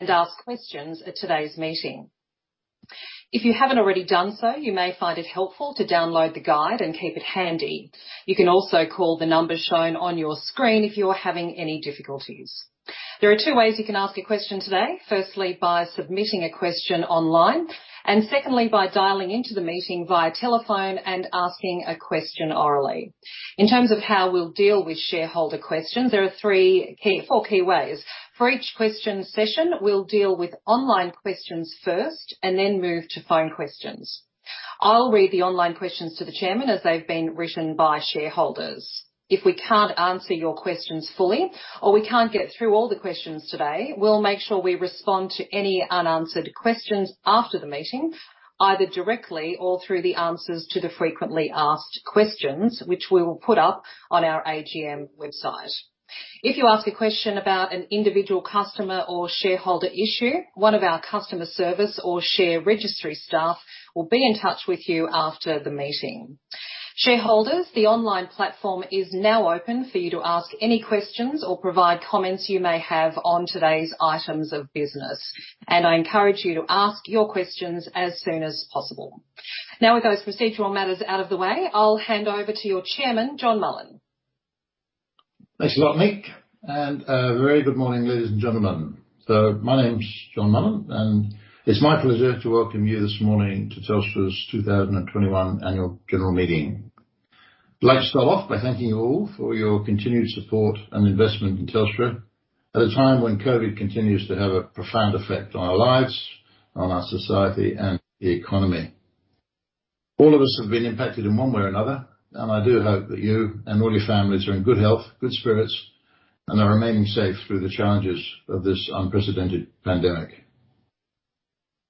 Ask questions at today's meeting. If you haven't already done so, you may find it helpful to download the guide and keep it handy. You can also call the number shown on your screen if you are having any difficulties. There are two ways you can ask a question today. Firstly, by submitting a question online, and secondly, by dialing into the meeting via telephone and asking a question orally. In terms of how we'll deal with shareholder questions, there are four key ways. For each question session, we'll deal with online questions first and then move to phone questions. I'll read the online questions to the chairman as they've been written by shareholders. If we can't answer your questions fully or we can't get through all the questions today, we'll make sure we respond to any unanswered questions after the meeting, either directly or through the answers to the frequently asked questions, which we will put up on our AGM website. If you ask a question about an individual customer or shareholder issue, one of our customer service or share registry staff will be in touch with you after the meeting. Shareholders, the online platform is now open for you to ask any questions or provide comments you may have on today's items of business, and I encourage you to ask your questions as soon as possible. Now with those procedural matters out of the way, I'll hand over to your Chairman, John Mullen. Thanks a lot, Nick. A very good morning, ladies and gentlemen. My name's John Mullen, and it's my pleasure to welcome you this morning to Telstra's 2021 Annual General Meeting. I'd like to start off by thanking you all for your continued support and investment in Telstra at a time when COVID continues to have a profound effect on our lives, on our society, and the economy. All of us have been impacted in one way or another, and I do hope that you and all your families are in good health, good spirits, and are remaining safe through the challenges of this unprecedented pandemic.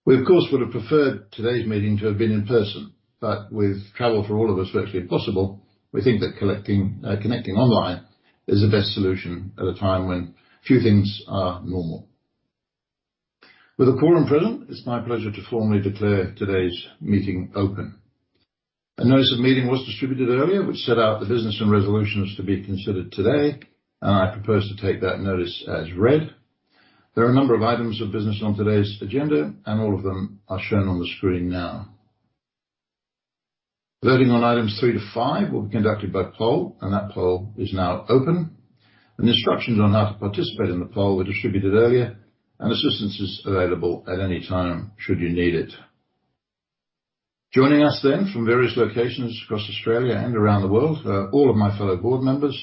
We, of course, would have preferred today's meeting to have been in person, but with travel for all of us virtually impossible, we think that connecting online is the best solution at a time when few things are normal. With a quorum present, it's my pleasure to formally declare today's meeting open. A notice of meeting was distributed earlier, which set out the business and resolutions to be considered today, and I propose to take that notice as read. There are a number of items of business on today's agenda, and all of them are shown on the screen now. Voting on items three to five will be conducted by poll, and that poll is now open. The instructions on how to participate in the poll were distributed earlier, and assistance is available at any time should you need it. Joining us then from various locations across Australia and around the world are all of my fellow board members,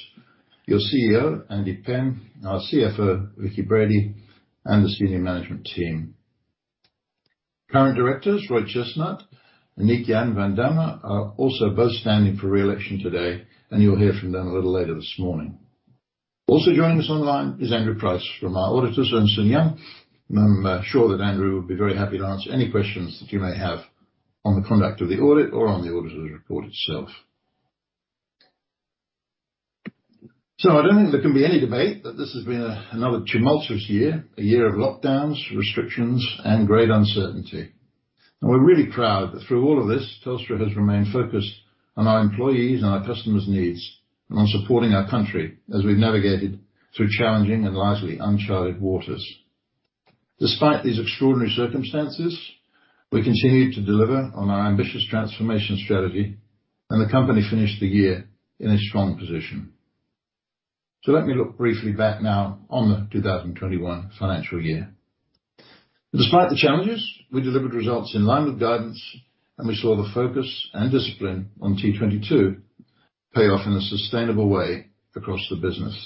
your Chief Executive Officer, Andy Penn, our Chief Financial Officer, Vicki Brady, and the senior management team. Current directors Roy H Chestnutt, Niek Jan van Damme are also both standing for re-election today, and you'll hear from them a little later this morning. Joining us online is Andrew Price from our auditors at Ernst & Young. I'm sure that Andrew will be very happy to answer any questions that you may have on the conduct of the audit or on the auditor's report itself. I don't think there can be any debate that this has been another tumultuous year, a year of lockdowns, restrictions, and great uncertainty. We're really proud that through all of this, Telstra has remained focused on our employees' and our customers' needs and on supporting our country as we've navigated through challenging and largely uncharted waters. Despite these extraordinary circumstances, we continue to deliver on our ambitious transformation strategy, and the company finished the year in a strong position. Let me look briefly back now on the 2021 financial year. Despite the challenges, we delivered results in line with guidance. We saw the focus and discipline on T22 pay off in a sustainable way across the business.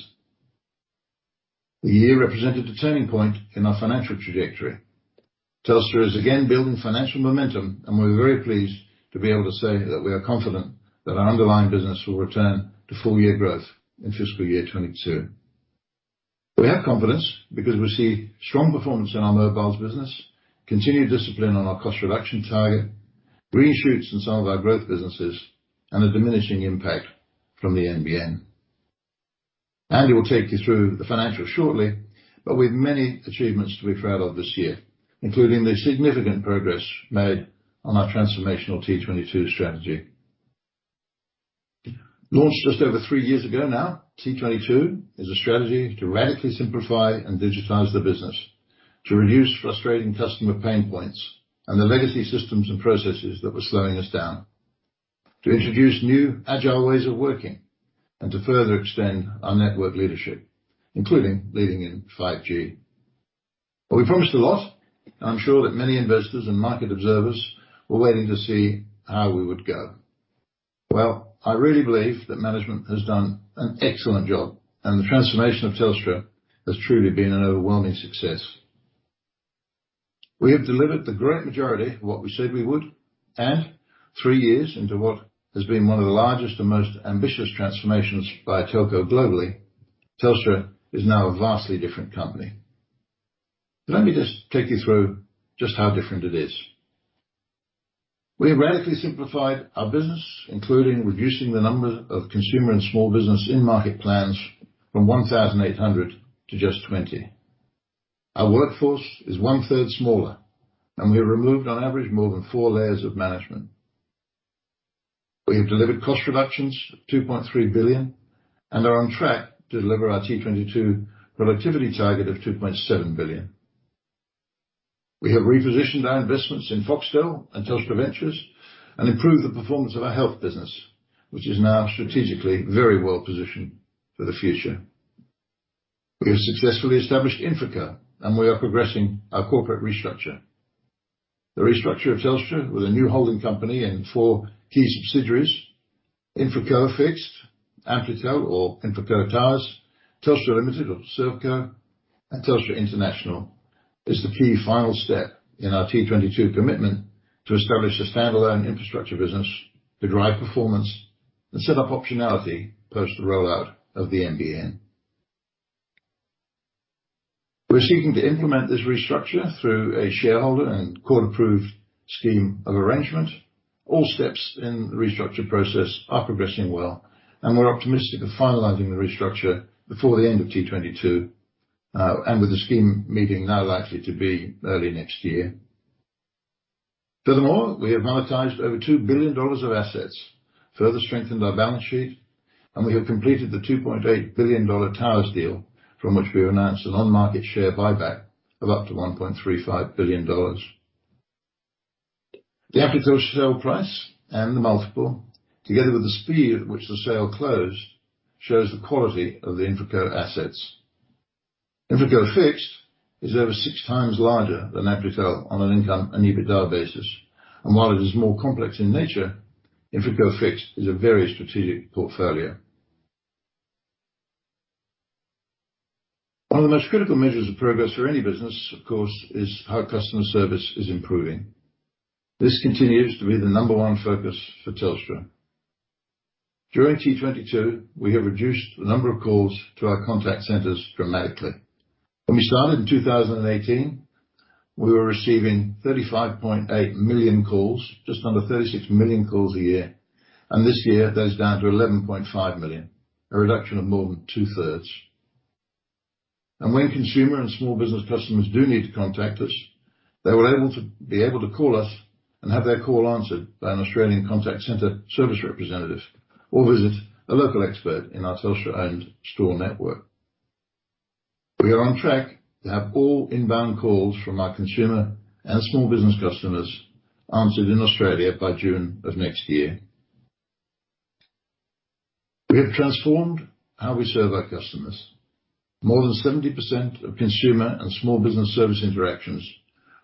The year represented a turning point in our financial trajectory. Telstra is again building financial momentum. We're very pleased to be able to say that we are confident that our underlying business will return to full-year growth in fiscal year 2022. We have confidence because we see strong performance in our mobiles business, continued discipline on our cost reduction target, green shoots in some of our growth businesses, and a diminishing impact from the NBN. Andy will take you through the financials shortly. We have many achievements to be proud of this year, including the significant progress made on our transformational T22 strategy. Launched just over three years ago now, T22 is a strategy to radically simplify and digitize the business to reduce frustrating customer pain points and the legacy systems and processes that were slowing us down, to introduce new Agile ways of working and to further extend our network leadership, including leading in 5G. We promised a lot. I'm sure that many investors and market observers were waiting to see how we would go. Well, I really believe that management has done an excellent job, and the transformation of Telstra has truly been an overwhelming success. We have delivered the great majority of what we said we would, and three years into what has been one of the largest and most ambitious transformations by a telco globally, Telstra is now a vastly different company. Let me just take you through just how different it is. We radically simplified our business, including reducing the number of consumer and small business in-market plans from 1,800 to just 20. Our workforce is one-third smaller, and we have removed on average more than four layers of management. We have delivered cost reductions of 2.3 billion and are on track to deliver our T22 productivity target of 2.7 billion. We have repositioned our investments in Foxtel and Telstra Ventures and improved the performance of our health business, which is now strategically very well positioned for the future. We have successfully established InfraCo and we are progressing our corporate restructure. The restructure of Telstra with a new holding company and four key subsidiaries, InfraCo Fixed, Amplitel or InfraCo Towers, Telstra Limited or ServeCo, and Telstra International, is the key final step in our T22 commitment to establish a standalone infrastructure business to drive performance and set up optionality post the rollout of the NBN. We're seeking to implement this restructure through a shareholder and court-approved scheme of arrangement. All steps in the restructure process are progressing well. We're optimistic of finalizing the restructure before the end of T22, with the scheme meeting now likely to be early next year. Furthermore, we have monetized over 2 billion dollars of assets, further strengthened our balance sheet. We have completed the 2.8 billion dollar towers deal, from which we have announced an on-market share buyback of up to 1.35 billion dollars. The Amplitel sale price and the multiple, together with the speed at which the sale closed, shows the quality of the InfraCo assets. InfraCo Fixed is over 6x larger than Amplitel on an income and EBITDA basis. While it is more complex in nature, InfraCo Fixed is a very strategic portfolio. One of the most critical measures of progress for any business, of course, is how customer service is improving. This continues to be the number one focus for Telstra. During T22, we have reduced the number of calls to our contact centers dramatically. When we started in 2018, we were receiving 35.8 million calls, just under 36 million calls a year. This year, that is down to 11.5 million. A reduction of more than two-thirds. When consumer and small business customers do need to contact us, they were able to call us and have their call answered by an Australian contact center service representative, or visit a local expert in our Telstra-owned store network. We are on track to have all inbound calls from our consumer and small business customers answered in Australia by June of next year. We have transformed how we serve our customers. More than 70% of consumer and small business service interactions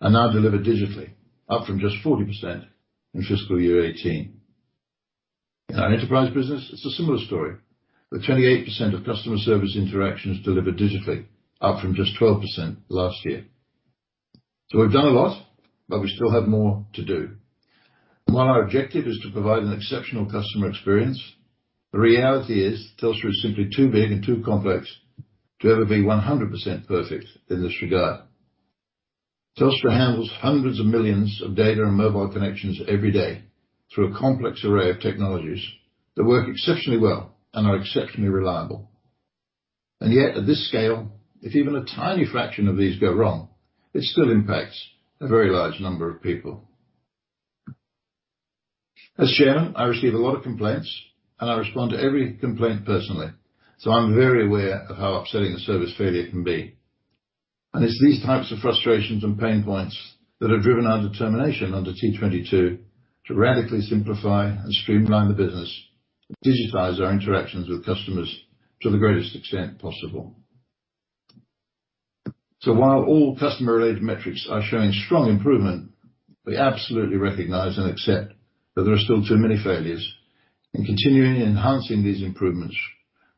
are now delivered digitally, up from just 40% in fiscal year 2018. In our enterprise business, it's a similar story, with 28% of customer service interactions delivered digitally, up from just 12% last year. We've done a lot, but we still have more to do. While our objective is to provide an exceptional customer experience, the reality is Telstra is simply too big and too complex to ever be 100% perfect in this regard. Telstra handles hundreds of millions of data and mobile connections every day through a complex array of technologies that work exceptionally well and are exceptionally reliable. Yet at this scale, if even a tiny fraction of these go wrong, it still impacts a very large number of people. As Chairman, I receive a lot of complaints and I respond to every complaint personally. I'm very aware of how upsetting a service failure can be. It's these types of frustrations and pain points that have driven our determination under T22 to radically simplify and streamline the business and digitize our interactions with customers to the greatest extent possible. While all customer-related metrics are showing strong improvement, we absolutely recognize and accept that there are still too many failures. Continuing enhancing these improvements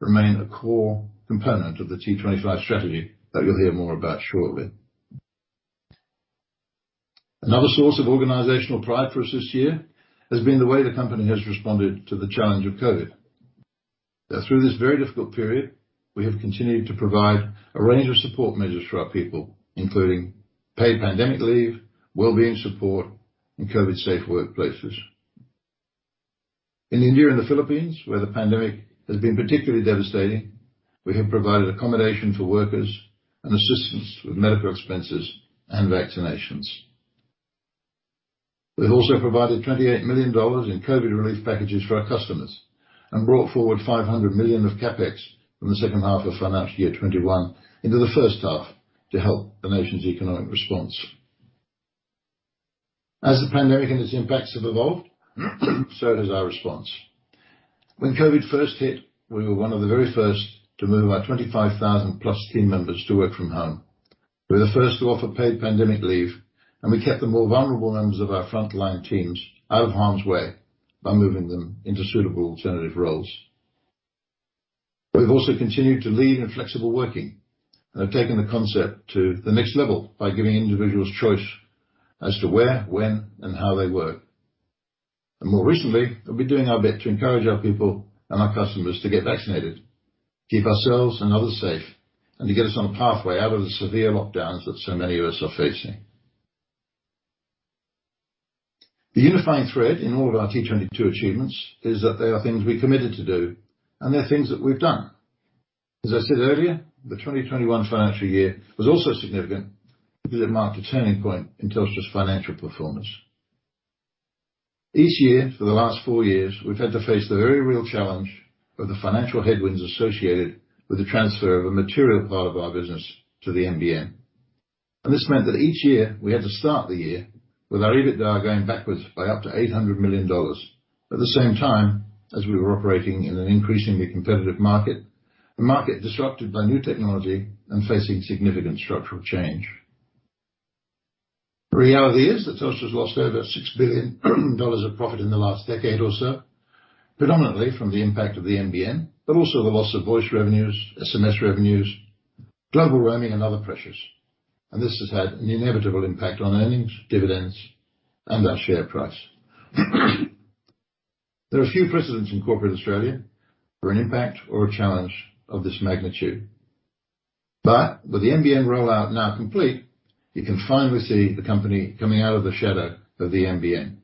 remain a core component of the T25 strategy that you'll hear more about shortly. Another source of organizational pride for us this year has been the way the company has responded to the challenge of COVID. That through this very difficult period, we have continued to provide a range of support measures for our people, including paid pandemic leave, well-being support and COVID-safe workplaces. In India and the Philippines, where the pandemic has been particularly devastating, we have provided accommodation for workers and assistance with medical expenses and vaccinations. We've also provided 28 million dollars in COVID relief packages for our customers and brought forward 500 million of CapEx from the second half of financial year 2021 into the first half to help the nation's economic response. As the pandemic and its impacts have evolved, so has our response. When COVID first hit, we were one of the very first to move our 25,000+ team members to work from home. We were the first to offer paid pandemic leave. We kept the more vulnerable members of our frontline teams out of harm's way by moving them into suitable alternative roles. We've also continued to lead in flexible working and have taken the concept to the next level by giving individuals choice as to where, when and how they work. More recently, we've been doing our bit to encourage our people and our customers to get vaccinated, keep ourselves and others safe, and to get us on a pathway out of the severe lockdowns that so many of us are facing. The unifying thread in all of our T22 achievements is that they are things we committed to do, and they're things that we've done. As I said earlier, the 2021 financial year was also significant because it marked a turning point in Telstra's financial performance. Each year for the last four years, we've had to face the very real challenge of the financial headwinds associated with the transfer of a material part of our business to the NBN. This meant that each year we had to start the year with our EBITDA going backwards by up to 800 million dollars. At the same time as we were operating in an increasingly competitive market, a market disrupted by new technology and facing significant structural change. The reality is that Telstra's lost over 6 billion dollars of profit in the last decade or so, predominantly from the impact of the NBN, but also the loss of voice revenues, SMS revenues, global roaming, and other pressures. This has had an inevitable impact on earnings, dividends, and our share price. There are few precedents in corporate Australia for an impact or a challenge of this magnitude. With the NBN rollout now complete, you can finally see the company coming out of the shadow of the NBN.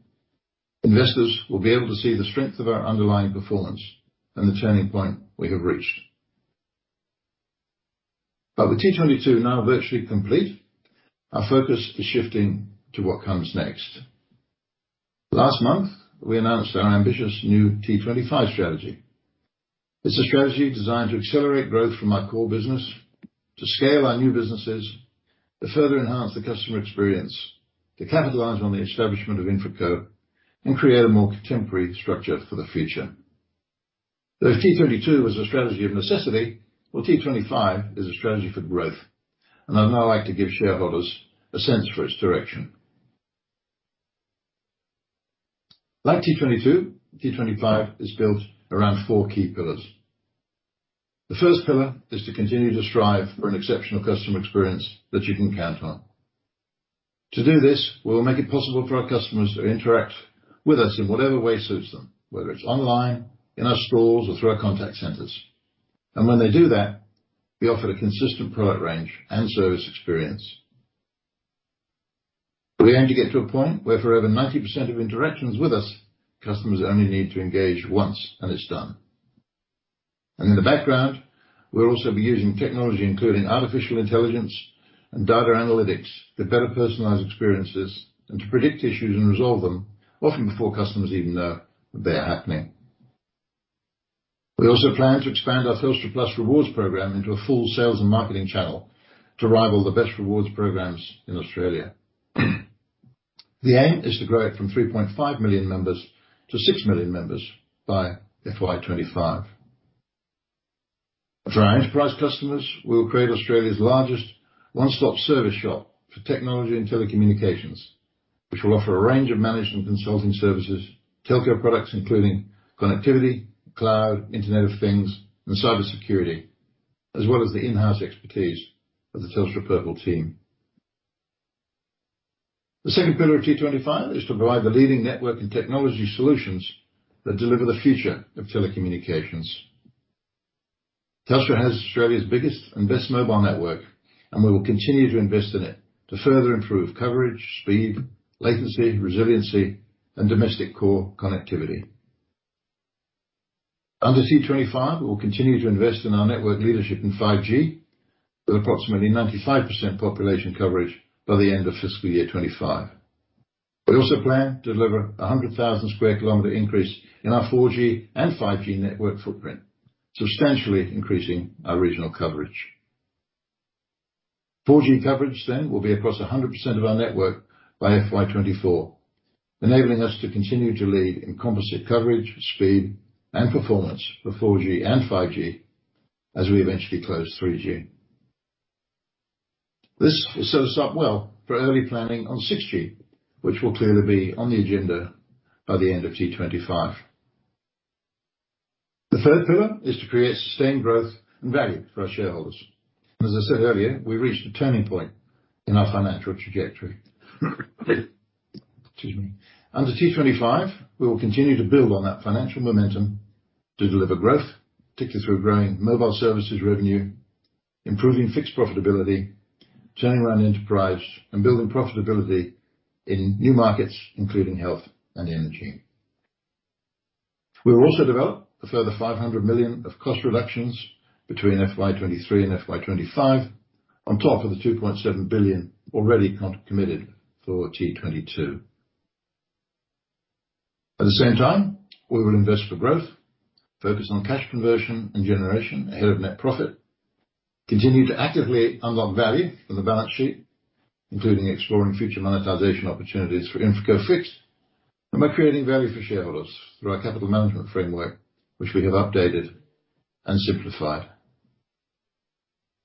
Investors will be able to see the strength of our underlying performance and the turning point we have reached. With T22 now virtually complete, our focus is shifting to what comes next. Last month, we announced our ambitious new T25 strategy. It's a strategy designed to accelerate growth from our core business, to scale our new businesses, to further enhance the customer experience, to capitalize on the establishment of InfraCo, and create a more contemporary structure for the future. Though T22 was a strategy of necessity, well, T25 is a strategy for growth, and I'd now like to give shareholders a sense for its direction. Like T22, T25 is built around four key pillars. The first pillar is to continue to strive for an exceptional customer experience that you can count on. To do this, we'll make it possible for our customers to interact with us in whatever way suits them, whether it's online, in our stores, or through our contact centers. When they do that, we offer a consistent product range and service experience. We aim to get to a point where for over 90% of interactions with us, customers only need to engage once and it's done. In the background, we'll also be using technology including artificial intelligence and data analytics to better personalize experiences and to predict issues and resolve them, often before customers even know they're happening. We also plan to expand our Telstra Plus rewards program into a full sales and marketing channel to rival the best rewards programs in Australia. The aim is to grow it from 3.5 million members to six million members by FY 2025. For our enterprise customers, we will create Australia's largest one-stop service shop for technology and telecommunications, which will offer a range of managed and consulting services, telco products including connectivity, cloud, Internet of Things, and cybersecurity, as well as the in-house expertise of the Telstra Purple team. The second pillar of T25 is to provide the leading network and technology solutions that deliver the future of telecommunications. Telstra has Australia's biggest and best mobile network, and we will continue to invest in it to further improve coverage, speed, latency, resiliency, and domestic core connectivity. Under T25, we'll continue to invest in our network leadership in 5G with approximately 95% population coverage by the end of FY 2025. We also plan to deliver 100,000 sq km increase in our 4G and 5G network footprint, substantially increasing our regional coverage. 4G coverage will be across 100% of our network by FY 2024, enabling us to continue to lead in composite coverage, speed, and performance for 4G and 5G as we eventually close 3G. This sets us up well for early planning on 6G, which will clearly be on the agenda by the end of T25. The third pillar is to create sustained growth and value for our shareholders. As I said earlier, we've reached a turning point in our financial trajectory. Excuse me. Under T25, we will continue to build on that financial momentum to deliver growth, particularly through growing mobile services revenue, improving fixed profitability, turning around enterprise, and building profitability in new markets, including health and energy. We'll also develop a further 500 million of cost reductions between FY 2023 and FY 2025 on top of the 2.7 billion already committed for T22. At the same time, we will invest for growth, focus on cash conversion and generation ahead of net profit, continue to actively unlock value from the balance sheet, including exploring future monetization opportunities for InfraCo Fixed, and by creating value for shareholders through our capital management framework, which we have updated and simplified.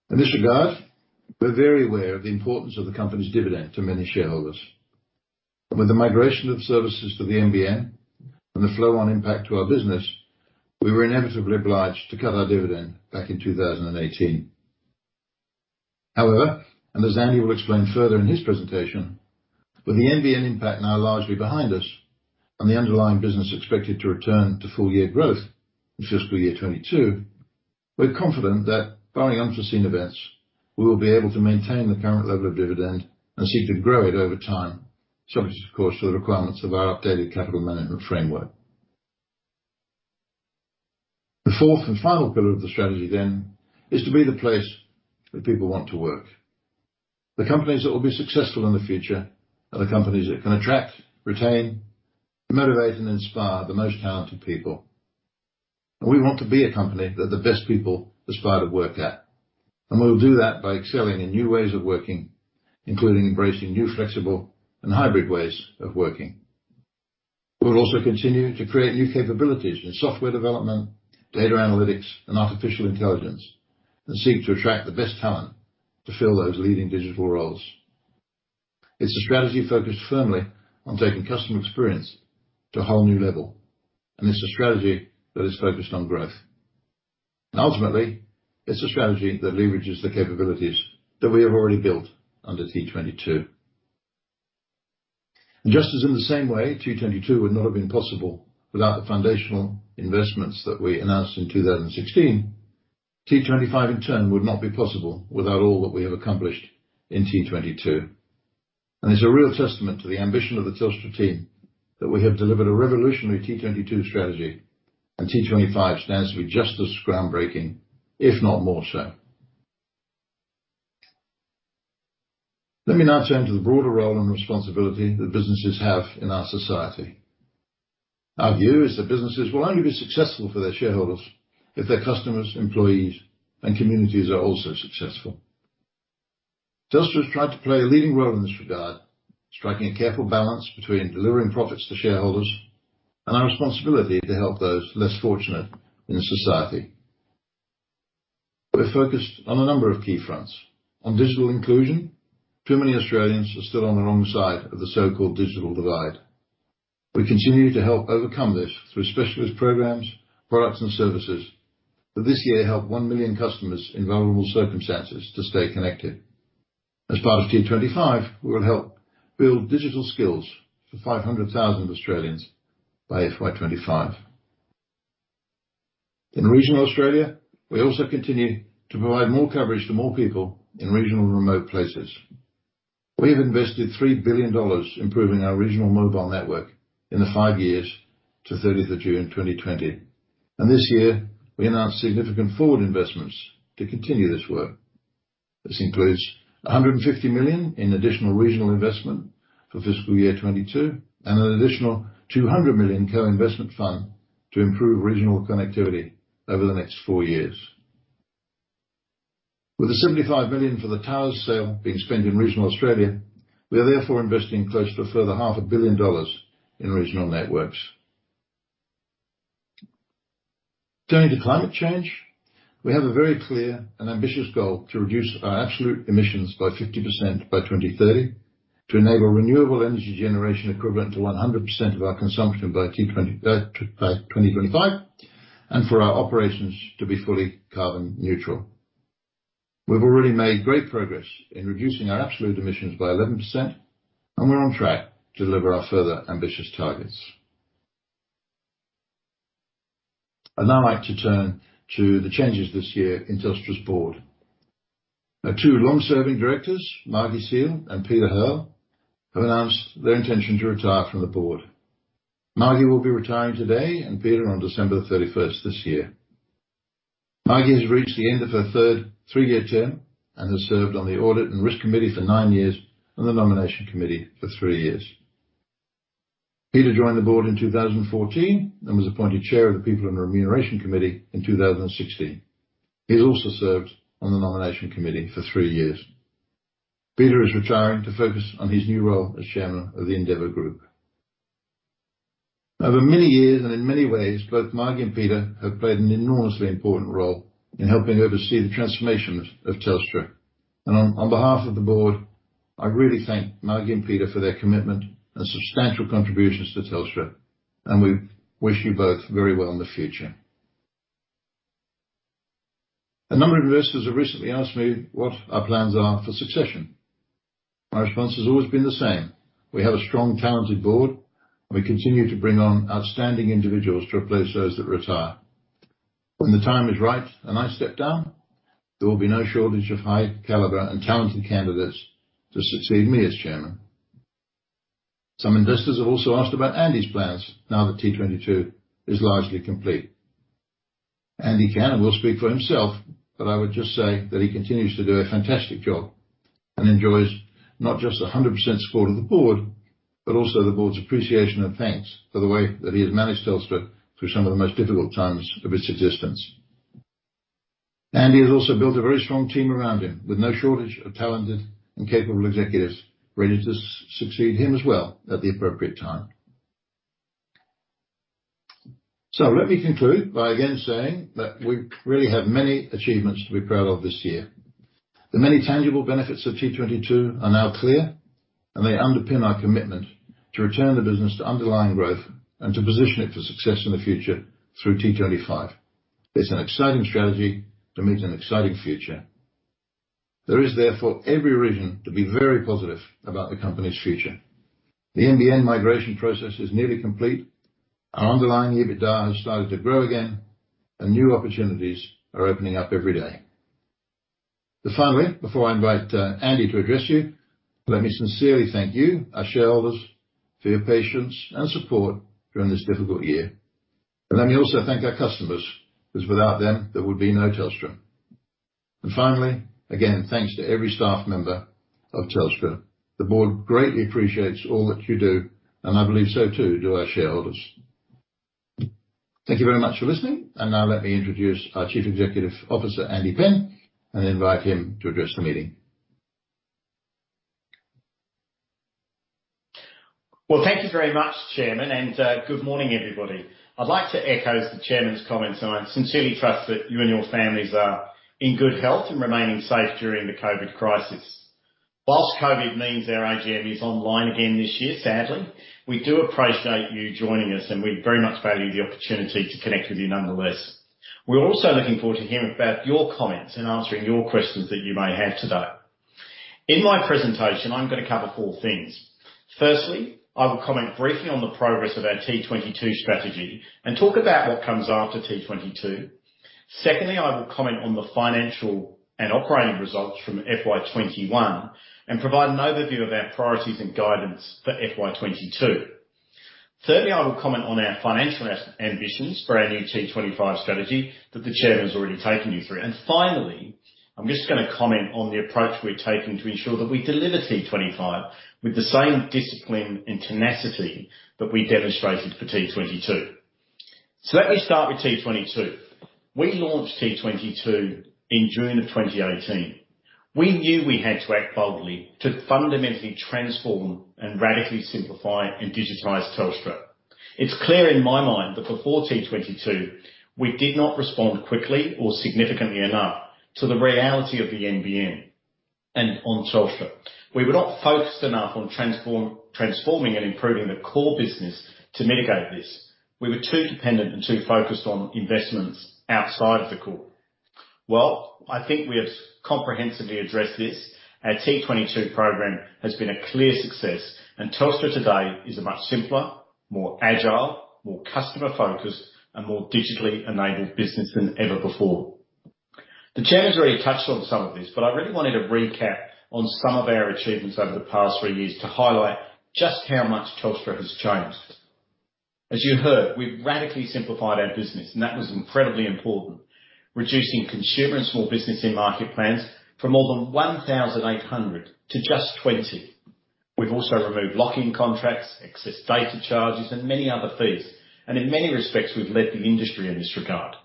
In this regard, we're very aware of the importance of the company's dividend to many shareholders. With the migration of services to the NBN and the flow-on impact to our business, we were inevitably obliged to cut our dividend back in 2018. However, as Andy will explain further in his presentation, with the NBN impact now largely behind us and the underlying business expected to return to full year growth in fiscal year 2022, we're confident that barring unforeseen events, we will be able to maintain the current level of dividend and seek to grow it over time, subject of course to the requirements of our updated capital management framework. The fourth and final pillar of the strategy then is to be the place that people want to work. The companies that will be successful in the future are the companies that can attract, retain, motivate, and inspire the most talented people. We want to be a company that the best people aspire to work at. We'll do that by excelling in new ways of working, including embracing new flexible and hybrid ways of working. We'll also continue to create new capabilities in software development, data analytics, and artificial intelligence, and seek to attract the best talent to fill those leading digital roles. It's a strategy focused firmly on taking customer experience to a whole new level, and it's a strategy that is focused on growth. Ultimately, it's a strategy that leverages the capabilities that we have already built under T22. Just as in the same way T22 would not have been possible without the foundational investments that we announced in 2016, T25 in turn would not be possible without all that we have accomplished in T22. It's a real testament to the ambition of the Telstra team that we have delivered a revolutionary T22 strategy, and T25 stands to be just as groundbreaking, if not more so. Let me now turn to the broader role and responsibility that businesses have in our society. Our view is that businesses will only be successful for their shareholders if their customers, employees, and communities are also successful. Telstra has tried to play a leading role in this regard, striking a careful balance between delivering profits to shareholders and our responsibility to help those less fortunate in society. We're focused on a number of key fronts. On digital inclusion, too many Australians are still on the wrong side of the so-called digital divide. We continue to help overcome this through specialist programs, products, and services that this year helped one million customers in vulnerable circumstances to stay connected. As part of T25, we will help build digital skills for 500,000 Australians by FY 2025. In regional Australia, we also continue to provide more coverage to more people in regional and remote places. We have invested 3 billion dollars improving our regional mobile network in the five years to June 30, 2020. This year, we announced significant forward investments to continue this work. This includes 150 million in additional regional investment for FY 2022, and an additional 200 million co-investment fund to improve regional connectivity over the next four years. With the 75 million for the towers sale being spent in regional Australia, we are therefore investing close to a further half a billion dollars in regional networks. Turning to climate change, we have a very clear and ambitious goal to reduce our absolute emissions by 50% by 2030, to enable renewable energy generation equivalent to 100% of our consumption by 2025, and for our operations to be fully carbon neutral. We've already made great progress in reducing our absolute emissions by 11%, we're on track to deliver our further ambitious targets. I'd now like to turn to the changes this year in Telstra's board. Our two long-serving directors, Margie Seale and Peter Hearl, have announced their intention to retire from the board. Margie will be retiring today and Peter on December 31st this year. Margaret Seale has reached the end of her third three-year term and has served on the audit and risk committee for nine years and the nomination committee for three years. Peter Hearl joined the board in 2014 and was appointed chair of the people and remuneration committee in 2016. He has also served on the nomination committee for three years. Peter Hearl is retiring to focus on his new role as chairman of the Endeavour Group. Over many years and in many ways, both Margaret Seale and Peter Hearl have played an enormously important role in helping oversee the transformation of Telstra. On behalf of the board, I really thank Margaret Seale and Peter Hearl for their commitment and substantial contributions to Telstra, and we wish you both very well in the future. A number of investors have recently asked me what our plans are for succession. My response has always been the same. We have a strong, talented board, and we continue to bring on outstanding individuals to replace those that retire. When the time is right and I step down, there will be no shortage of high caliber and talented candidates to succeed me as chairman. Some investors have also asked about Andy's plans now that T22 is largely complete. Andy can and will speak for himself, but I would just say that he continues to do a fantastic job and enjoys not just 100% support of the board, but also the board's appreciation and thanks for the way that he has managed Telstra through some of the most difficult times of its existence. Andy has also built a very strong team around him with no shortage of talented and capable executives ready to succeed him as well at the appropriate time. Let me conclude by again saying that we really have many achievements to be proud of this year. The many tangible benefits of T22 are now clear, and they underpin our commitment to return the business to underlying growth and to position it for success in the future through T25. It's an exciting strategy that meets an exciting future. There is therefore every reason to be very positive about the company's future. The NBN migration process is nearly complete. Our underlying EBITDA has started to grow again, and new opportunities are opening up every day. Finally, before I invite Andy to address you, let me sincerely thank you, our shareholders, for your patience and support during this difficult year. Let me also thank our customers, because without them, there would be no Telstra. Finally, again, thanks to every staff member of Telstra. The board greatly appreciates all that you do, and I believe so too do our shareholders. Thank you very much for listening. Now let me introduce our Chief Executive Officer, Andy Penn, and invite him to address the meeting. Well, thank you very much, Chairman. Good morning, everybody. I'd like to echo the Chairman's comments. I sincerely trust that you and your families are in good health and remaining safe during the COVID crisis. Whilst COVID means our AGM is online again this year, sadly, we do appreciate you joining us. We very much value the opportunity to connect with you nonetheless. We're also looking forward to hearing about your comments and answering your questions that you may have today. In my presentation, I'm going to cover four things. Firstly, I will comment briefly on the progress of our T22 strategy and talk about what comes after T22. Secondly, I will comment on the financial and operating results from FY 2021 and provide an overview of our priorities and guidance for FY 2022. Thirdly, I will comment on our financial ambitions for our new T25 strategy that the Chairman's already taken you through. Finally, I'm just going to comment on the approach we're taking to ensure that we deliver T25 with the same discipline and tenacity that we demonstrated for T22. Let me start with T22. We launched T22 in June of 2018. We knew we had to act boldly to fundamentally transform and radically simplify and digitize Telstra. It's clear in my mind that before T22, we did not respond quickly or significantly enough to the reality of the NBN and on Telstra. We were not focused enough on transforming and improving the core business to mitigate this. We were too dependent and too focused on investments outside of the core. Well, I think we have comprehensively addressed this. Our T22 program has been a clear success, and Telstra today is a much simpler, more agile, more customer-focused, and more digitally enabled business than ever before. The Chairman's already touched on some of this, but I really wanted to recap on some of our achievements over the past three years to highlight just how much Telstra has changed. As you heard, we've radically simplified our business, and that was incredibly important. Reducing consumer and small business in-market plans from more than 1,800 to just 20. We've also removed lock-in contracts, excess data charges, and many other fees. In many respects, we've led the industry in this regard.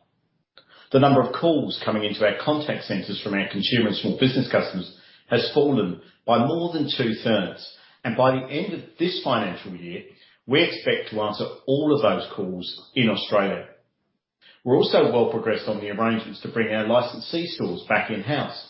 The number of calls coming into our contact centers from our consumer and small business customers has fallen by more than two-thirds. By the end of this financial year, we expect to answer all of those calls in Australia. We're also well progressed on the arrangements to bring our licensee stores back in-house.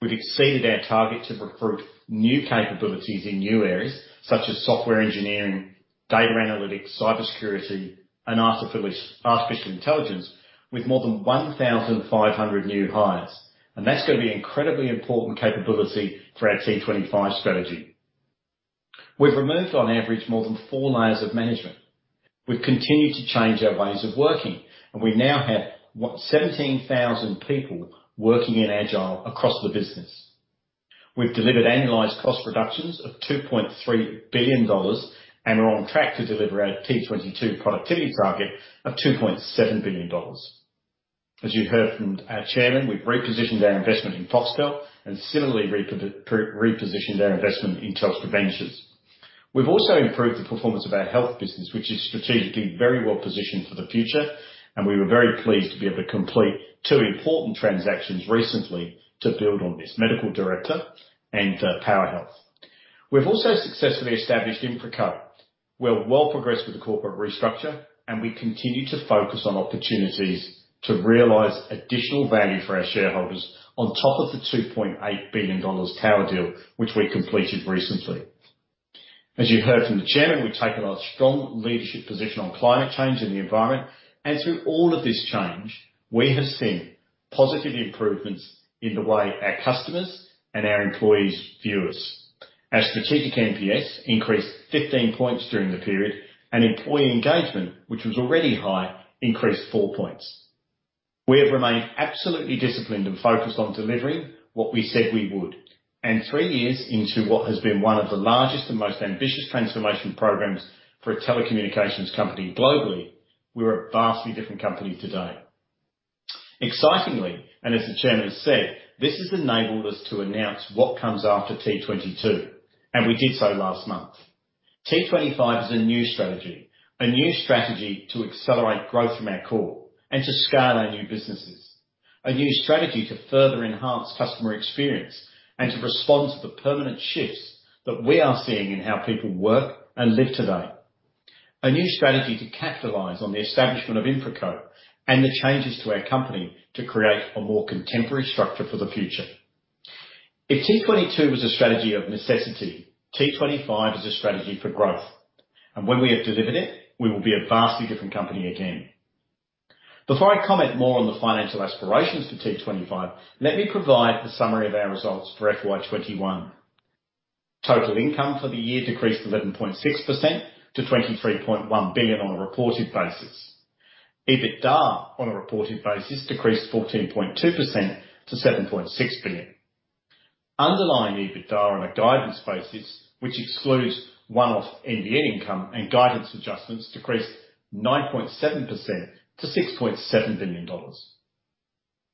We've exceeded our target to recruit new capabilities in new areas such as software engineering, data analytics, cybersecurity, and artificial intelligence with more than 1,500 new hires. That's going to be incredibly important capability for our T25 strategy. We've removed on average, more than four layers of management. We've continued to change our ways of working, and we now have 17,000 people working in Agile across the business. We've delivered annualized cost reductions of 2.3 billion dollars, and we're on track to deliver our T22 productivity target of 2.7 billion dollars. As you heard from our chairman, we've repositioned our investment in Foxtel and similarly repositioned our investment in Telstra Ventures. We've also improved the performance of our health business, which is strategically very well positioned for the future. We were very pleased to be able to complete two important transactions recently to build on this MedicalDirector and PowerHealth. We've also successfully established InfraCo. We're well progressed with the corporate restructure. We continue to focus on opportunities to realize additional value for our shareholders on top of the 2.8 billion dollars tower deal, which we completed recently. As you heard from the Chairman, we've taken a strong leadership position on climate change and the environment. Through all of this change, we have seen positive improvements in the way our customers and our employees view us. Our strategic NPS increased 15 points during the period. Employee engagement, which was already high, increased four points. We have remained absolutely disciplined and focused on delivering what we said we would. Three years into what has been one of the largest and most ambitious transformation programs for a telecommunications company globally, we're a vastly different company today. Excitingly, as the Chairman has said, this has enabled us to announce what comes after T22, and we did so last month. T25 is a new strategy. A new strategy to accelerate growth from our core and to scale our new businesses. A new strategy to further enhance customer experience and to respond to the permanent shifts that we are seeing in how people work and live today. A new strategy to capitalize on the establishment of InfraCo and the changes to our company to create a more contemporary structure for the future. If T22 was a strategy of necessity, T25 is a strategy for growth. When we have delivered it, we will be a vastly different company again. Before I comment more on the financial aspirations for T25, let me provide a summary of our results for FY 2021. Total income for the year decreased 11.6% to 23.1 billion on a reported basis. EBITDA on a reported basis decreased 14.2% to 7.6 billion. Underlying EBITDA on a guidance basis, which excludes one-off NBN income and guidance adjustments, decreased 9.7% to 6.7 billion dollars.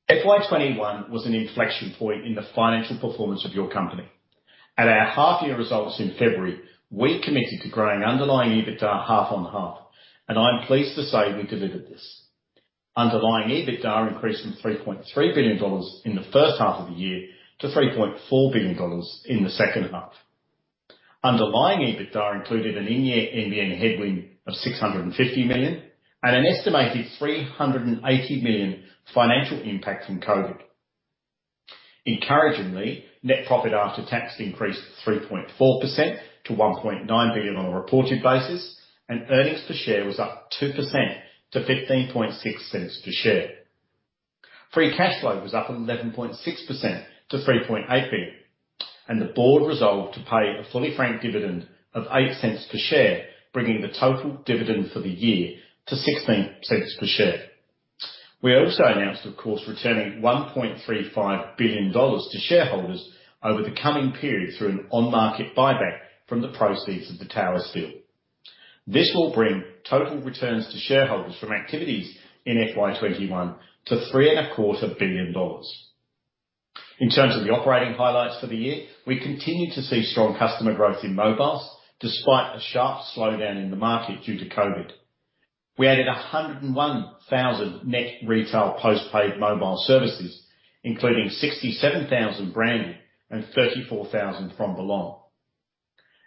FY 2021 was an inflection point in the financial performance of your company. At our half year results in February, we committed to growing underlying EBITDA half on half. I'm pleased to say we delivered this. Underlying EBITDA increased from 3.3 billion dollars in the first half of the year to 3.4 billion dollars in the second half. Underlying EBITDA included an in-year NBN headwind of 650 million and an estimated 380 million financial impact from COVID. Encouragingly, net profit after tax increased 3.4% to 1.9 billion on a reported basis, and earnings per share was up 2% to 0.156 per share. Free cash flow was up 11.6% to 3.8 billion, and the board resolved to pay a fully franked dividend of 0.08 per share, bringing the total dividend for the year to 0.16 per share. We also announced, of course, returning 1.35 billion dollars to shareholders over the coming period through an on-market buyback from the proceeds of the towers sale. This will bring total returns to shareholders from activities in FY 2021 to 3.75 billion dollars. In terms of the operating highlights for the year, we continued to see strong customer growth in mobiles despite a sharp slowdown in the market due to COVID. We added 101,000 net retail postpaid mobile services, including 67,000 branded and 34,000 from Belong.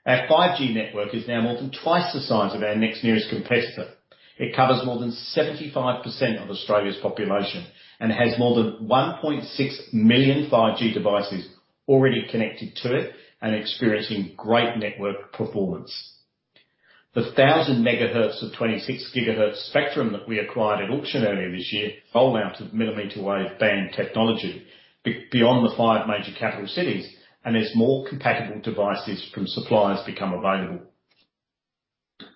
Our 5G network is now more than twice the size of our next nearest competitor. It covers more than 75% of Australia's population and has more than 1.6 million 5G devices already connected to it and experiencing great network performance. The 1,000 MHz of 26 GHz spectrum that we acquired at auction earlier this year roll out of millimeter wave band technology beyond the five major capital cities and as more compatible devices from suppliers become available.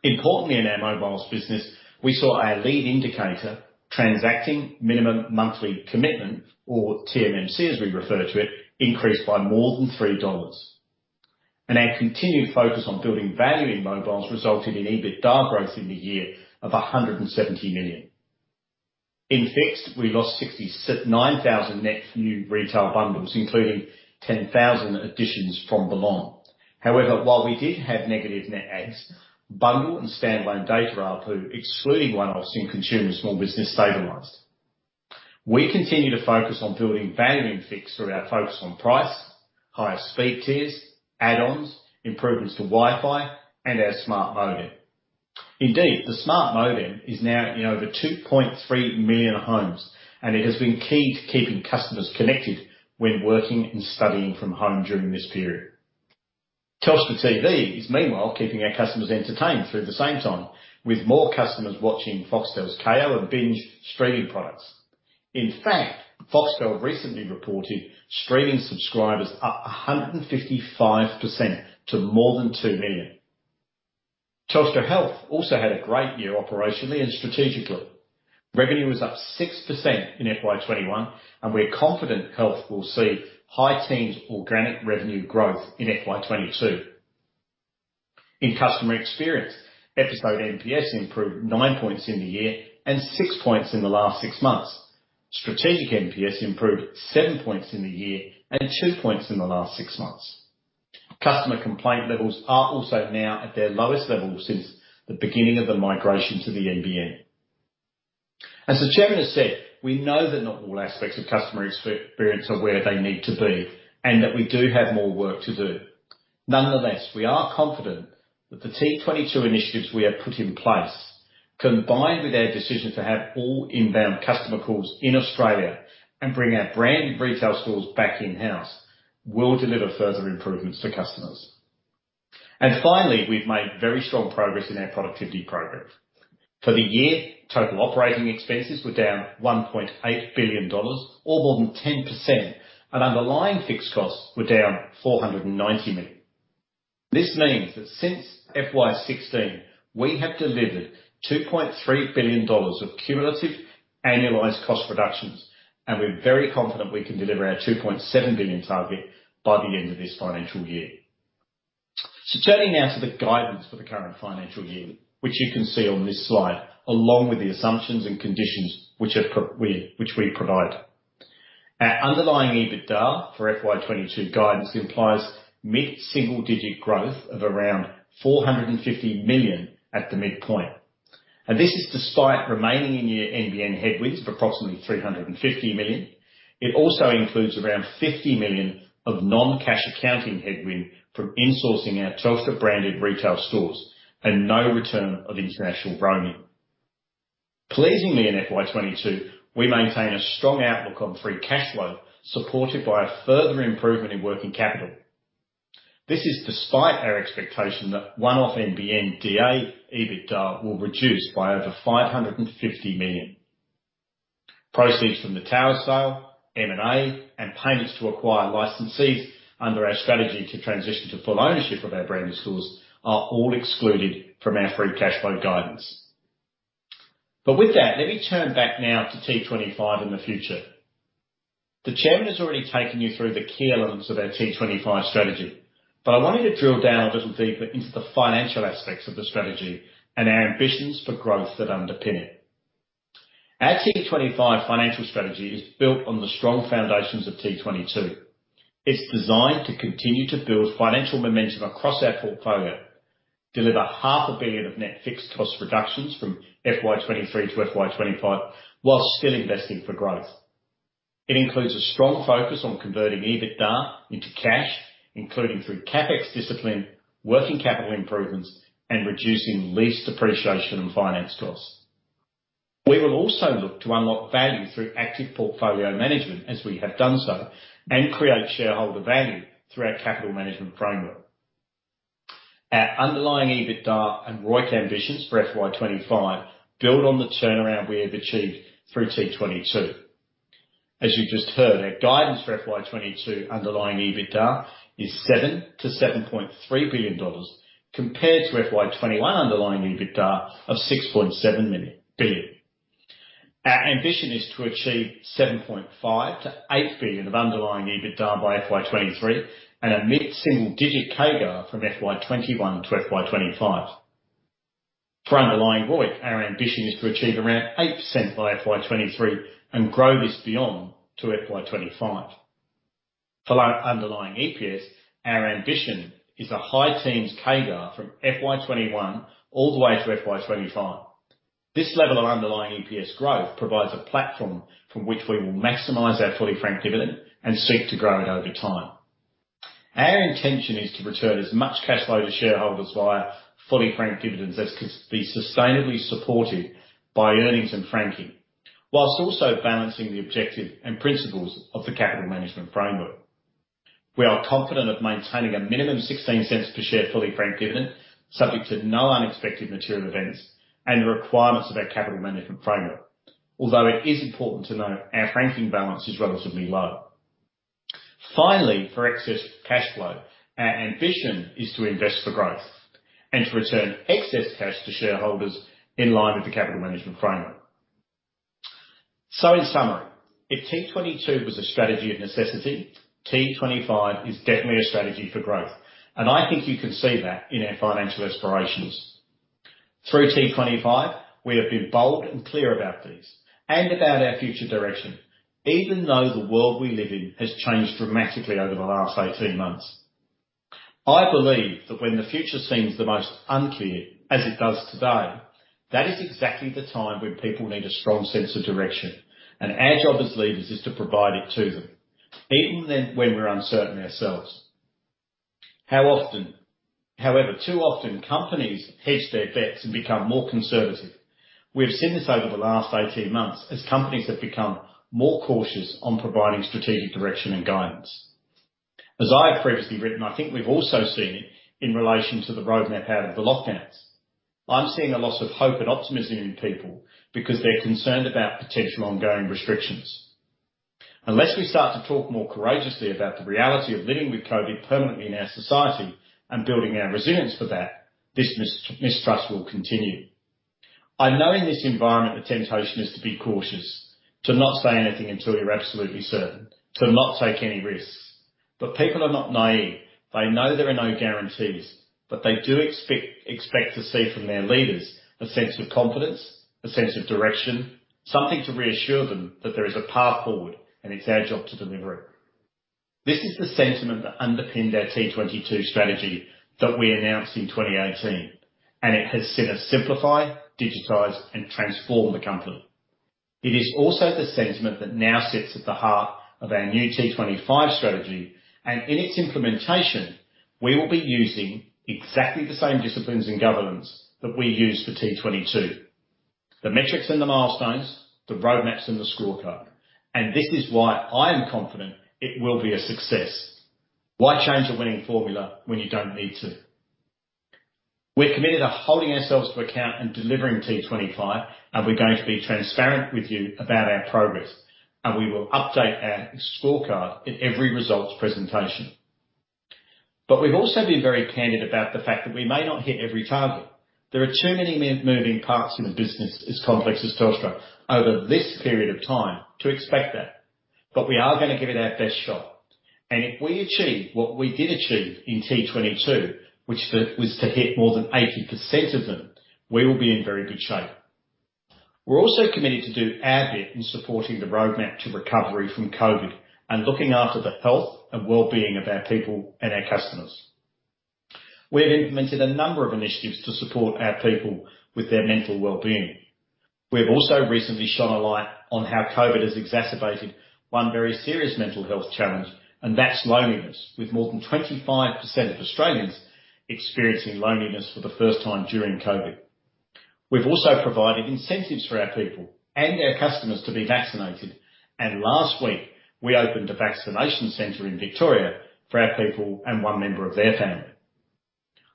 Importantly, in our mobiles business, we saw our lead indicator Transacting Minimum Monthly Commitment, or TMMC as we refer to it, increased by more than 3 dollars. Our continued focus on building value in mobiles resulted in EBITDA growth in the year of 170 million. In fixed, we lost 69,000 net new retail bundles, including 10,000 additions from Belong. While we did have negative net adds, bundle and standalone data ARPU, excluding one-offs in consumer small business, stabilized. We continue to focus on building value in fixed through our focus on price, higher speed tiers, add-ons, improvements to Wi-Fi, and our Smart Modem. The Smart Modem is now in over 2.3 million homes, and it has been key to keeping customers connected when working and studying from home during this period. Telstra TV is meanwhile keeping our customers entertained through the same time with more customers watching Foxtel's Kayo and Binge streaming products. Foxtel recently reported streaming subscribers up 155% to more than two million. Telstra Health also had a great year operationally and strategically. Revenue was up 6% in FY 2021, and we're confident health will see high teens organic revenue growth in FY 2022. In customer experience, episode NPS improved nine points in the year and six points in the last six months. Strategic NPS improved seven points in the year and two points in the last six months. Customer complaint levels are also now at their lowest level since the beginning of the migration to the NBN. As the Chairman has said, we know that not all aspects of customer experience are where they need to be and that we do have more work to do. Nonetheless, we are confident that the T22 initiatives we have put in place, combined with our decision to have all inbound customer calls in Australia and bring our branded retail stores back in-house, will deliver further improvements for customers. Finally, we've made very strong progress in our productivity program. For the year, total operating expenses were down 1.8 billion dollars or more than 10%, and underlying fixed costs were down 490 million. This means that since FY 2016, we have delivered 2.3 billion dollars of cumulative annualized cost reductions, and we're very confident we can deliver our 2.7 billion target by the end of this financial year. Turning now to the guidance for the current financial year, which you can see on this slide, along with the assumptions and conditions which we provide. Our underlying EBITDA for FY 2022 guidance implies mid-single digit growth of around 450 million at the midpoint. This is despite remaining in-year NBN headwinds of approximately 350 million. It also includes around 50 million of non-cash accounting headwind from insourcing our Telstra branded retail stores and no return of international roaming. Pleasingly in FY 2022, we maintain a strong outlook on free cash flow, supported by a further improvement in working capital. This is despite our expectation that one-off NBN DA EBITDA will reduce by over 550 million. Proceeds from the tower sale, M&A, and payments to acquire licensees under our strategy to transition to full ownership of our branded stores are all excluded from our free cash flow guidance. With that, let me turn back now to T25 in the future. The Chairman has already taken you through the key elements of our T25 strategy. I want you to drill down a little deeper into the financial aspects of the strategy and our ambitions for growth that underpin it. Our T25 financial strategy is built on the strong foundations of T22. It's designed to continue to build financial momentum across our portfolio, deliver 500 million of net fixed cost reductions from FY 2023 to FY 2025 whilst still investing for growth. It includes a strong focus on converting EBITDA into cash, including through CapEx discipline, working capital improvements, and reducing lease depreciation and finance costs. We will also look to unlock value through active portfolio management as we have done so, and create shareholder value through our capital management framework. Our underlying EBITDA and ROIC ambitions for FY 2025 build on the turnaround we have achieved through T22. As you just heard, our guidance for FY 2022 underlying EBITDA is 7 billion-7.3 billion dollars, compared to FY 2021 underlying EBITDA of 6.7 billion. Our ambition is to achieve 7.5 billion-8 billion of underlying EBITDA by FY 2023 and a mid-single digit CAGR from FY 2021 to FY 2025. For underlying ROIC, our ambition is to achieve around 8% by FY 2023 and grow this beyond to FY 2025. For underlying EPS, our ambition is a high teens CAGR from FY 2021 all the way to FY 2025. This level of underlying EPS growth provides a platform from which we will maximize our fully franked dividend and seek to grow it over time. Our intention is to return as much cash flow to shareholders via fully franked dividends as can be sustainably supported by earnings and franking, whilst also balancing the objective and principles of the capital management framework. We are confident of maintaining a minimum 0.16 per share fully franked dividend, subject to no unexpected material events and the requirements of our capital management framework. Although it is important to note, our franking balance is relatively low. Finally, for excess cash flow, our ambition is to invest for growth and to return excess cash to shareholders in line with the capital management framework. In summary, if T22 was a strategy of necessity, T25 is definitely a strategy for growth. I think you can see that in our financial aspirations. Through T25, we have been bold and clear about these and about our future direction, even though the world we live in has changed dramatically over the last 18 months. I believe that when the future seems the most unclear, as it does today, that is exactly the time when people need a strong sense of direction. Our job as leaders is to provide it to them, even when we're uncertain ourselves. However, too often companies hedge their bets and become more conservative. We've seen this over the last 18 months as companies have become more cautious on providing strategic direction and guidance. As I have previously written, I think we've also seen it in relation to the roadmap out of the lockdowns. I'm seeing a loss of hope and optimism in people because they're concerned about potential ongoing restrictions. Unless we start to talk more courageously about the reality of living with COVID permanently in our society and building our resilience for that, this mistrust will continue. I know in this environment, the temptation is to be cautious, to not say anything until you're absolutely certain, to not take any risks. People are not naive. They know there are no guarantees, but they do expect to see from their leaders a sense of confidence, a sense of direction, something to reassure them that there is a path forward, and it's our job to deliver it. This is the sentiment that underpinned our T22 strategy that we announced in 2018, and it has seen us simplify, digitize, and transform the company. It is also the sentiment that now sits at the heart of our new T25 strategy, and in its implementation, we will be using exactly the same disciplines and governance that we used for T22. The metrics and the milestones, the roadmaps and the scorecard. This is why I am confident it will be a success. Why change a winning formula when you don't need to? We're committed to holding ourselves to account and delivering T25. We're going to be transparent with you about our progress, and we will update our scorecard at every results presentation. We've also been very candid about the fact that we may not hit every target. There are too many moving parts in a business as complex as Telstra over this period of time to expect that. We are going to give it our best shot. If we achieve what we did achieve in T22, which was to hit more than 80% of them, we will be in very good shape. We're also committed to do our bit in supporting the roadmap to recovery from COVID and looking after the health and wellbeing of our people and our customers. We have implemented a number of initiatives to support our people with their mental wellbeing. We have also recently shone a light on how COVID has exacerbated one very serious mental health challenge, and that's loneliness. With more than 25% of Australians experiencing loneliness for the first time during COVID. We've also provided incentives for our people and our customers to be vaccinated. Last week, we opened a vaccination center in Victoria for our people and one member of their family.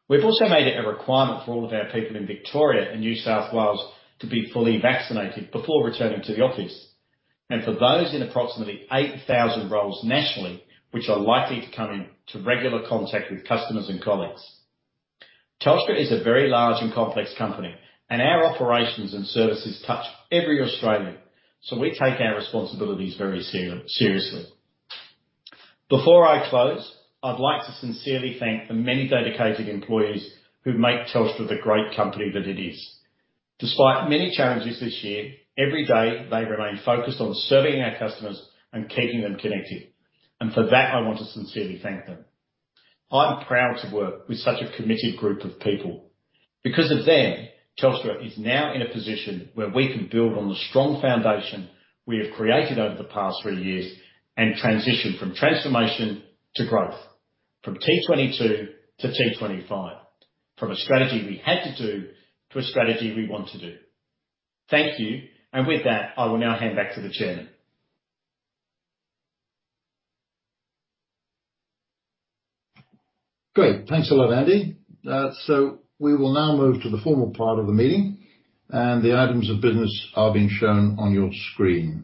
We've also made it a requirement for all of our people in Victoria and New South Wales to be fully vaccinated before returning to the office. For those in approximately 8,000 roles nationally, which are likely to come into regular contact with customers and colleagues. Telstra is a very large and complex company, and our operations and services touch every Australian. We take our responsibilities very seriously. Before I close, I'd like to sincerely thank the many dedicated employees who make Telstra the great company that it is. Despite many challenges this year, every day they remain focused on serving our customers and keeping them connected. For that, I want to sincerely thank them. I'm proud to work with such a committed group of people. Because of them, Telstra is now in a position where we can build on the strong foundation we have created over the past three years and transition from transformation to growth. From T22 to T25. From a strategy we had to do, to a strategy we want to do. Thank you. With that, I will now hand back to the Chairman. Great. Thanks a lot, Andy. We will now move to the formal part of the meeting, and the items of business are being shown on your screen.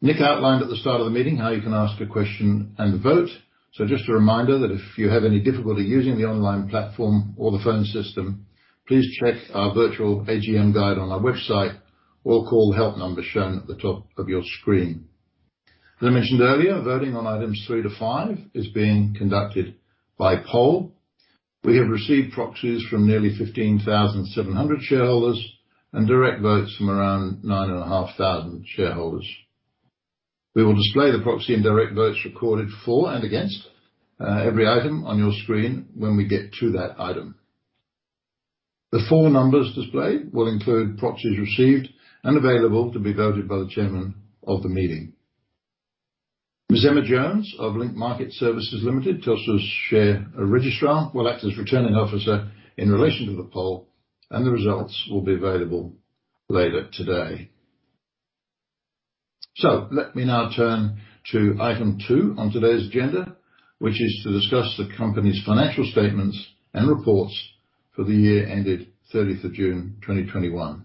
Nick outlined at the start of the meeting how you can ask a question and vote. Just a reminder that if you have any difficulty using the online platform or the phone system, please check our virtual AGM guide on our website or call the help number shown at the top of your screen. As I mentioned earlier, voting on items three to five is being conducted by poll. We have received proxies from nearly 15,700 shareholders and direct votes from around 9,500 shareholders. We will display the proxy and direct votes recorded for and against every item on your screen when we get to that item. The full numbers displayed will include proxies received and available to be voted by the chairman of the meeting. Ms. Emma Jones of Link Market Services Limited, Telstra's share registrar, will act as returning officer in relation to the poll, and the results will be available later today. Let me now turn to item two on today's agenda, which is to discuss the company's financial statements and reports for the year ended 30th of June 2021.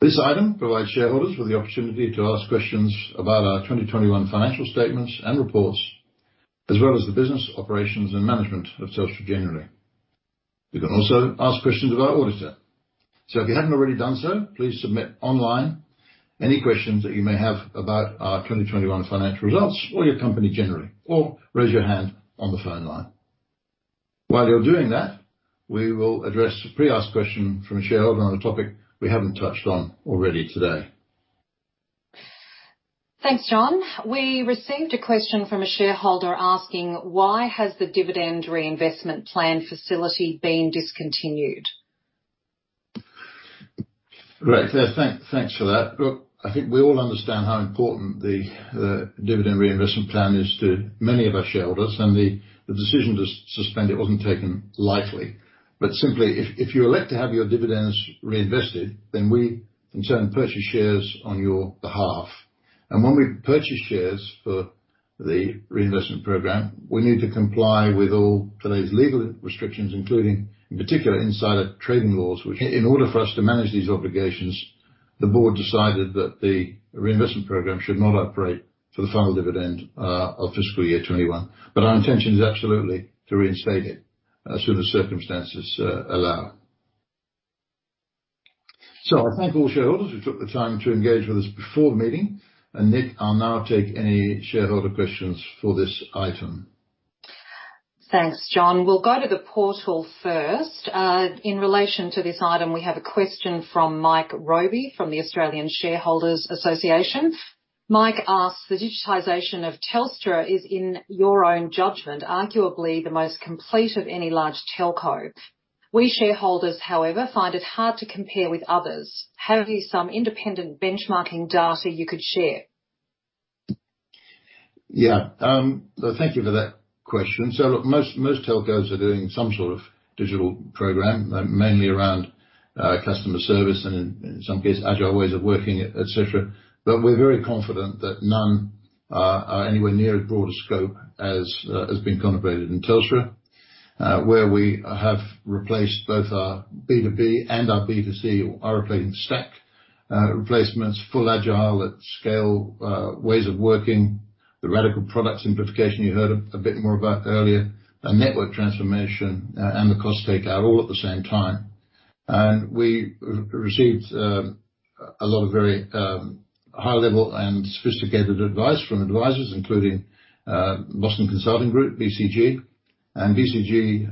This item provides shareholders with the opportunity to ask questions about our 2021 financial statements and reports, as well as the business operations and management of Telstra generally. You can also ask questions of our auditor. If you haven't already done so, please submit online any questions that you may have about our 2021 financial results or your company generally, or raise your hand on the phone line. While you're doing that, we will address a pre-asked question from a shareholder on a topic we haven't touched on already today. Thanks, John. We received a question from a shareholder asking: Why has the dividend reinvestment plan facility been discontinued? Great. Thanks for that. I think we all understand how important the dividend reinvestment plan is to many of our shareholders and the decision to suspend it wasn't taken lightly. Simply, if you elect to have your dividends reinvested, then we in turn purchase shares on your behalf. When we purchase shares for the reinvestment program, we need to comply with all today's legal restrictions, including, in particular, insider trading laws. In order for us to manage these obligations, the board decided that the reinvestment program should not operate for the final dividend of fiscal year 2021. Our intention is absolutely to reinstate it as soon as circumstances allow. I thank all shareholders who took the time to engage with us before the meeting. Nick, I'll now take any shareholder questions for this item. Thanks, John. We'll go to the portal first. In relation to this item, we have a question from Mike Robey from the Australian Shareholders' Association. Mike asks, "The digitization of Telstra is, in your own judgment, arguably the most complete of any large telco. We shareholders, however, find it hard to compare with others. Have you some independent benchmarking data you could share? Yeah. Thank you for that question. Look, most telcos are doing some sort of digital program, mainly around customer service and in some cases, Agile ways of working, et cetera. We're very confident that none are anywhere near as broad a scope as has been contemplated in Telstra, where we have replaced both our B2B and our B2C operating stack. Replacements full Agile at scale, ways of working, the radical product simplification you heard a bit more about earlier, a network transformation and the cost takeout all at the same time. We received a lot of very high-level and sophisticated advice from advisors, including Boston Consulting Group, BCG. BCG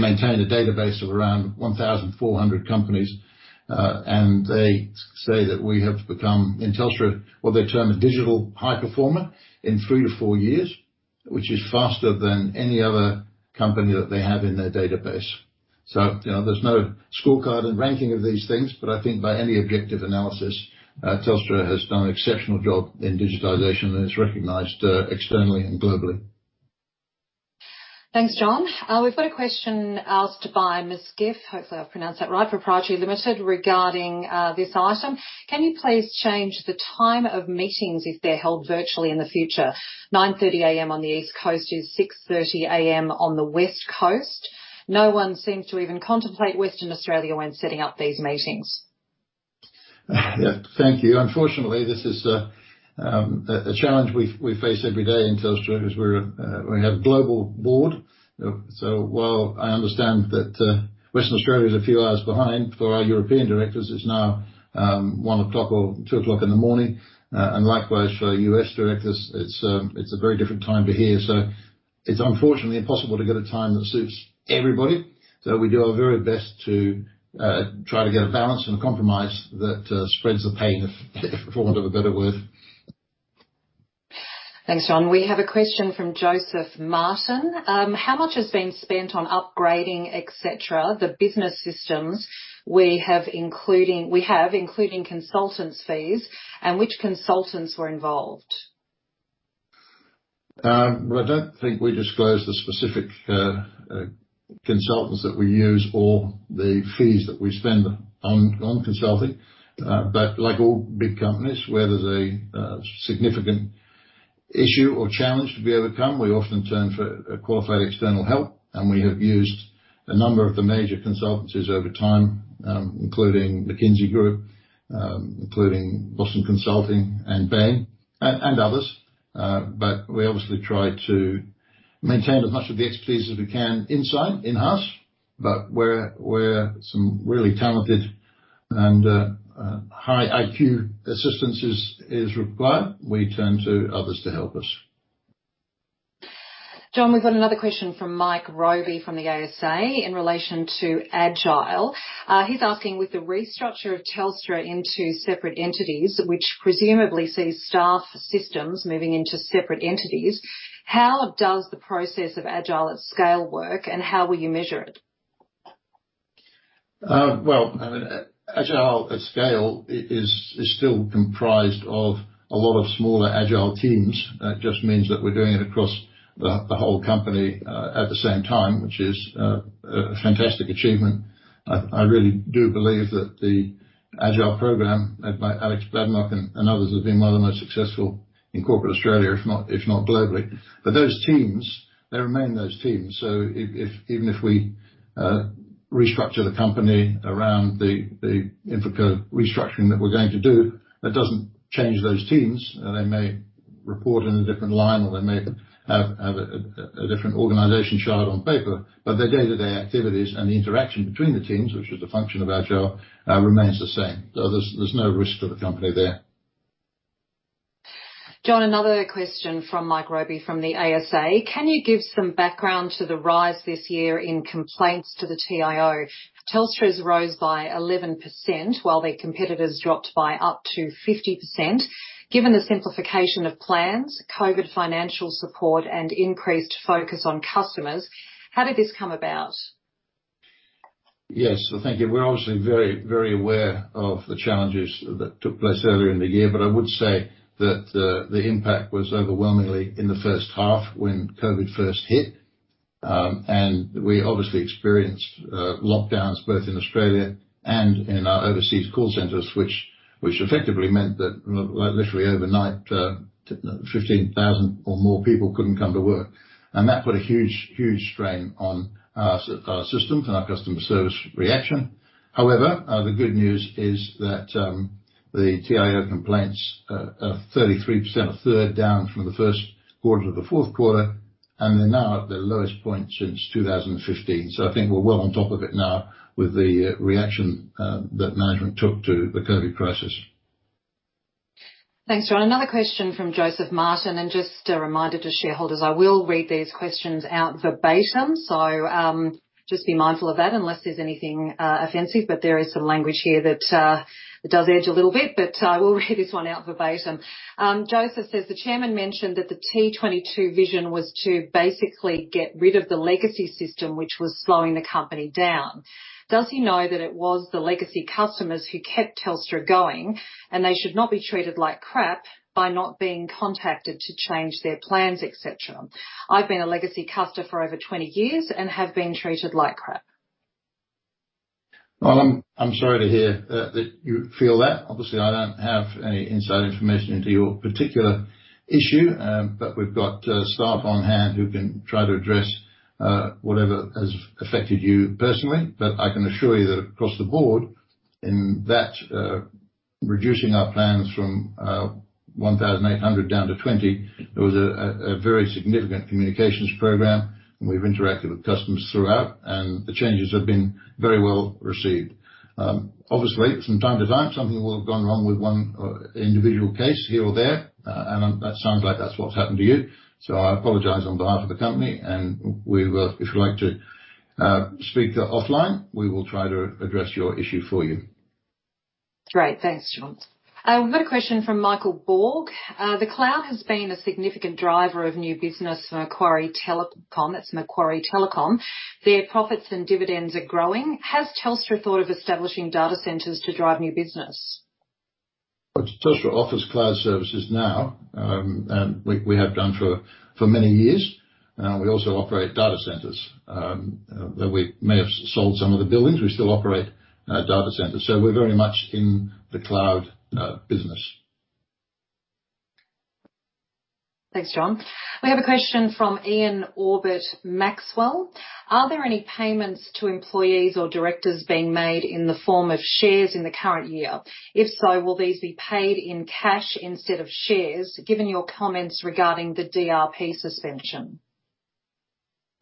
maintain a database of around 1,400 companies, and they say that we have become in Telstra, what they term a digital high performer in three to four years, which is faster than any other company that they have in their database. There's no scorecard and ranking of these things, but I think by any objective analysis, Telstra has done an exceptional job in digitization and it's recognized externally and globally. Thanks, John. We've got a question asked by Ms. Skiff, hopefully I've pronounced that right, Proprietary Limited regarding this item. Can you please change the time of meetings if they're held virtually in the future? 9:30 A.M. on the East Coast is 6:30 A.M. on the West Coast. No one seems to even contemplate Western Australia when setting up these meetings. Yeah, thank you. Unfortunately, this is a challenge we face every day in Telstra because we have a global board. While I understand that Western Australia is a few hours behind, for our European directors, it's now 1:00 A.M or 2:00 A.M in the morning. Likewise for U.S. directors, it's a very different time to here. It's unfortunately impossible to get a time that suits everybody. We do our very best to try to get a balance and a compromise that spreads the pain, for want of a better word. Thanks, John. We have a question from Joseph Martin. How much has been spent on upgrading, et cetera, the business systems we have, including consultants' fees, and which consultants were involved? Well, I don't think we disclose the specific consultants that we use or the fees that we spend on consulting. Like all big companies, where there's a significant issue or challenge to be overcome, we often turn for qualified external help, and we have used a number of the major consultancies over time, including McKinsey Group, including Boston Consulting, and Bain, and others. We obviously try to maintain as much of the expertise as we can inside, in-house. Where some really talented and high IQ assistance is required, we turn to others to help us. John, we've got another question from Mike Robey from the ASA in relation to Agile. He's asking, with the restructure of Telstra into separate entities, which presumably sees staff systems moving into separate entities, how does the process of Agile at scale work, and how will you measure it? Agile at scale is still comprised of a lot of smaller Agile teams. It just means that we're doing it across the whole company at the same time, which is a fantastic achievement. I really do believe that the Agile program, led by Alex Badenoch and others, has been one of the most successful in corporate Australia, if not globally. Those teams, they remain those teams. Even if we restructure the company around the InfraCo restructuring that we're going to do, that doesn't change those teams. They may report in a different line, or they may have a different organization chart on paper. Their day-to-day activities and the interaction between the teams, which is the function of Agile, remains the same. There's no risk to the company there. John, another question from Mike Robey from the ASA. Can you give some background to the rise this year in complaints to the TIO? Telstra's rose by 11%, while their competitors dropped by up to 50%. Given the simplification of plans, COVID financial support, and increased focus on customers, how did this come about? Yes. Thank you. We're obviously very aware of the challenges that took place earlier in the year. I would say that the impact was overwhelmingly in the first half when COVID first hit. We obviously experienced lockdowns, both in Australia and in our overseas call centers, which effectively meant that literally overnight, 15,000 or more people couldn't come to work. That put a huge strain on our systems and our customer service reaction. However, the good news is that the TIO complaints are 33%, a third down from the first quarter to the fourth quarter, and they're now at their lowest point since 2015. I think we're well on top of it now with the reaction that management took to the COVID crisis. Thanks, John. Another question from Joseph Martin, and just a reminder to shareholders, I will read these questions out verbatim, so just be mindful of that, unless there's anything offensive. There is some language here that does edge a little bit. I will read this one out verbatim. Joseph says, "The chairman mentioned that the T22 vision was to basically get rid of the legacy system which was slowing the company down. Does he know that it was the legacy customers who kept Telstra going, and they should not be treated like crap by not being contacted to change their plans, et cetera? I've been a legacy customer for over 20 years and have been treated like crap. Well, I'm sorry to hear that you feel that. Obviously, I don't have any inside information into your particular issue. We've got staff on hand who can try to address whatever has affected you personally. I can assure you that across the board, in that reducing our plans from 1,800 down to 20, there was a very significant communications program, and we've interacted with customers throughout, and the changes have been very well received. Obviously, from time to time, something will have gone wrong with one individual case here or there. That sounds like that's what's happened to you. I apologize on behalf of the company, and if you'd like to speak offline, we will try to address your issue for you. Great. Thanks, John. We've got a question from Michael Borg. The cloud has been a significant driver of new business for Macquarie Telecom. Their profits and dividends are growing. Has Telstra thought of establishing data centers to drive new business? Telstra offers cloud services now, and we have done for many years now. We also operate data centers. We may have sold some of the buildings, we still operate data centers, so we're very much in the cloud business. Thanks, John. We have a question from Ian Orbit Maxwell. Are there any payments to employees or Directors being made in the form of shares in the current year? If so, will these be paid in cash instead of shares, given your comments regarding the DRP suspension?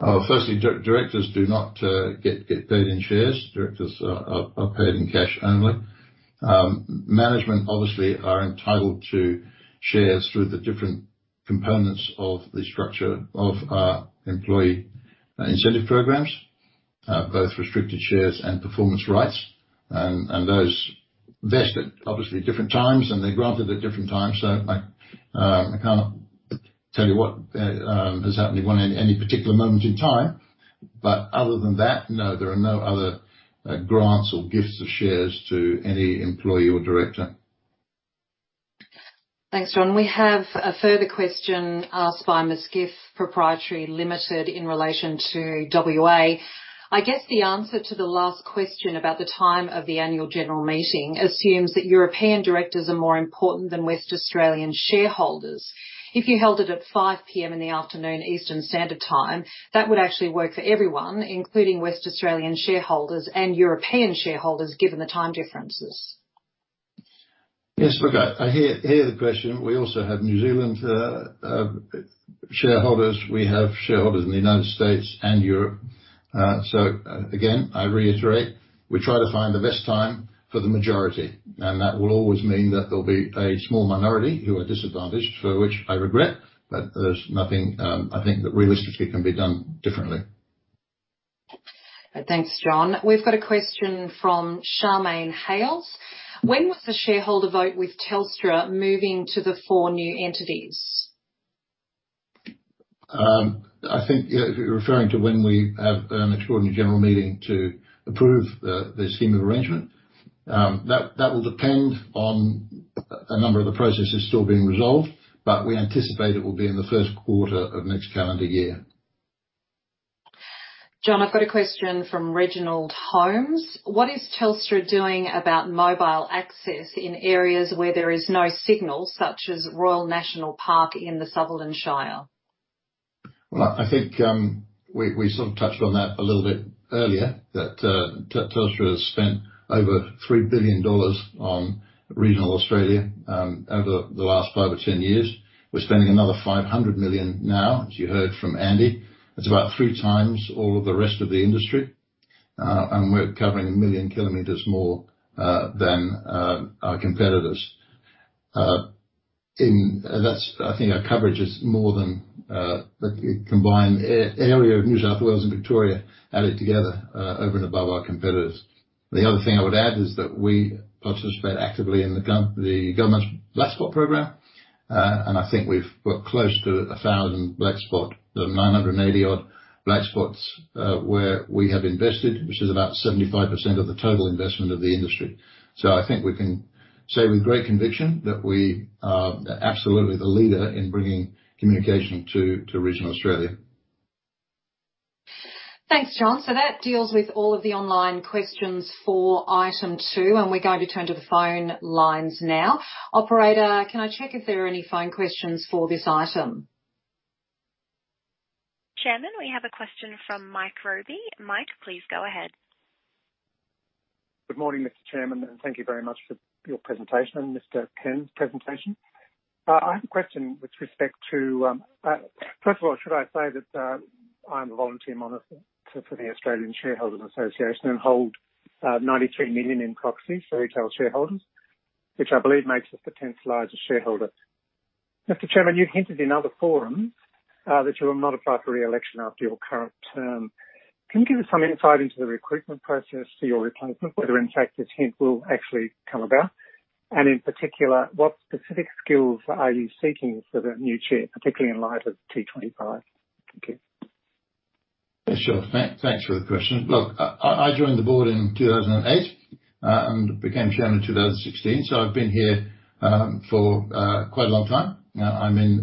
Firstly, directors do not get paid in shares. Directors are paid in cash only. Management obviously are entitled to shares through the different components of the structure of our employee incentive programs, both restricted shares and performance rights. Those vest at, obviously, different times, and they're granted at different times. I can't tell you what has happened at any particular moment in time. Other than that, no, there are no other grants or gifts of shares to any employee or director. Thanks, John. We have a further question asked by Miss Gif Proprietary Limited in relation to WA. I guess the answer to the last question about the time of the annual general meeting assumes that European directors are more important than West Australian shareholders. If you held it at 5:00 P.M. in the afternoon Eastern Standard Time, that would actually work for everyone, including West Australian shareholders and European shareholders, given the time differences. Yes. Look, I hear the question. We also have New Zealand shareholders. We have shareholders in the U.S. and Europe. Again, I reiterate, we try to find the best time for the majority, and that will always mean that there'll be a small minority who are disadvantaged, for which I regret. There's nothing, I think, that realistically can be done differently. Thanks, John. We've got a question from Charmaine Hales. When was the shareholder vote with Telstra moving to the four new entities? I think if you're referring to when we have an extraordinary general meeting to approve the scheme of arrangement. That will depend on a number of the processes still being resolved, but we anticipate it will be in the first quarter of next calendar year. John, I've got a question from Reginald Holmes. What is Telstra doing about mobile access in areas where there is no signal, such as Royal National Park in the Sutherland Shire? Well, I think we sort of touched on that a little bit earlier, that Telstra has spent over 3 billion dollars on regional Australia over the last five or 10 years. We're spending another 500 million now, as you heard from Andy. That's about three times all of the rest of the industry. We're covering 1 million km more than our competitors. I think our coverage is more than the combined area of New South Wales and Victoria added together over and above our competitors. The other thing I would add is that we participate actively in the government's black spot program. I think we've got close to 1,000 black spot or 980 odd black spots, where we have invested, which is about 75% of the total investment of the industry. I think we can say with great conviction that we are absolutely the leader in bringing communication to regional Australia. Thanks, John. That deals with all of the online questions for item two, and we're going to turn to the phone lines now. Operator, can I check if there are any phone questions for this item? Chairman, we have a question from Mike Robey. Mike, please go ahead. Good morning, Mr. Chairman, and thank you very much for your presentation and Mr. Penn's presentation. I have a question. First of all, should I say that I'm a volunteer monitor for the Australian Shareholders' Association and hold 93 million in proxies for retail shareholders, which I believe makes us the 10th-largest shareholder. Mr. Chairman, you hinted in other forums that you will not apply for re-election after your current term. Can you give us some insight into the recruitment process for your replacement, whether in fact this hint will actually come about? In particular, what specific skills are you seeking for the new chair, particularly in light of T25? Thank you. Sure. Thanks for the question. Look, I joined the board in 2008 and became chairman in 2016, so I've been here for quite a long time now. I'm in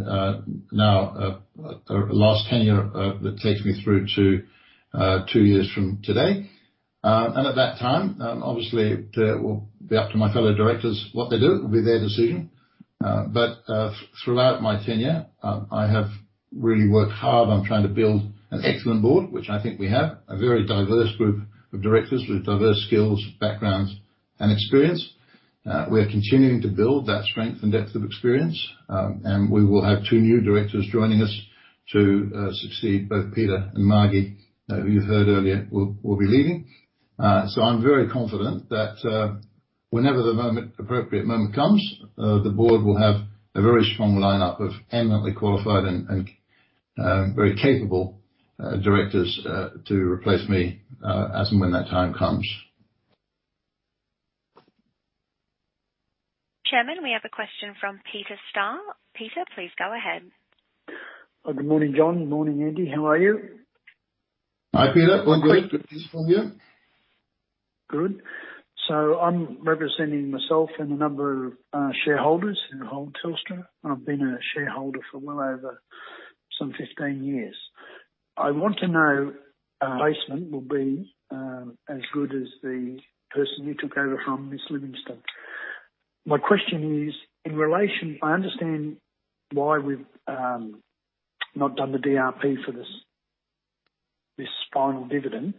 now last tenure that takes me through to two years from today. At that time, obviously, it will be up to my fellow directors what they do. It will be their decision. Throughout my tenure, I have really worked hard on trying to build an excellent board, which I think we have. A very diverse group of directors with diverse skills, backgrounds and experience. We are continuing to build that strength and depth of experience. We will have two new directors joining us to succeed both Peter and Margie, who you heard earlier will be leaving. I'm very confident that whenever the appropriate moment comes, the board will have a very strong lineup of eminently qualified and very capable directors to replace me as and when that time comes. Chairman, we have a question from Peter Starr. Peter, please go ahead. Good morning, John. Good morning, Andy. How are you? Hi, Peter. One quick from you. Good. I'm representing myself and a number of shareholders who hold Telstra. I've been a shareholder for well over some 15 years. I want to know replacement will be as good as the person you took over from, Catherine Livingstone. My question is, I understand why we've not done the DRP for this final dividend,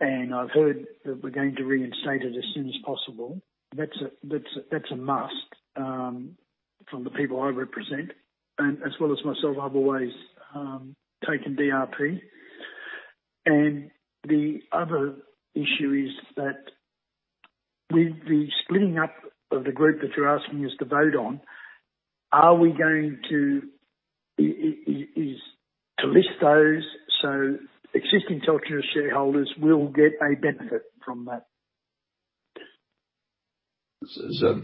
and I've heard that we're going to reinstate it as soon as possible. That's a must from the people I represent and as well as myself. I've always taken DRP. The other issue is that with the splitting up of the group that you're asking us to vote on, are we going to list those so existing Telstra shareholders will get a benefit from that?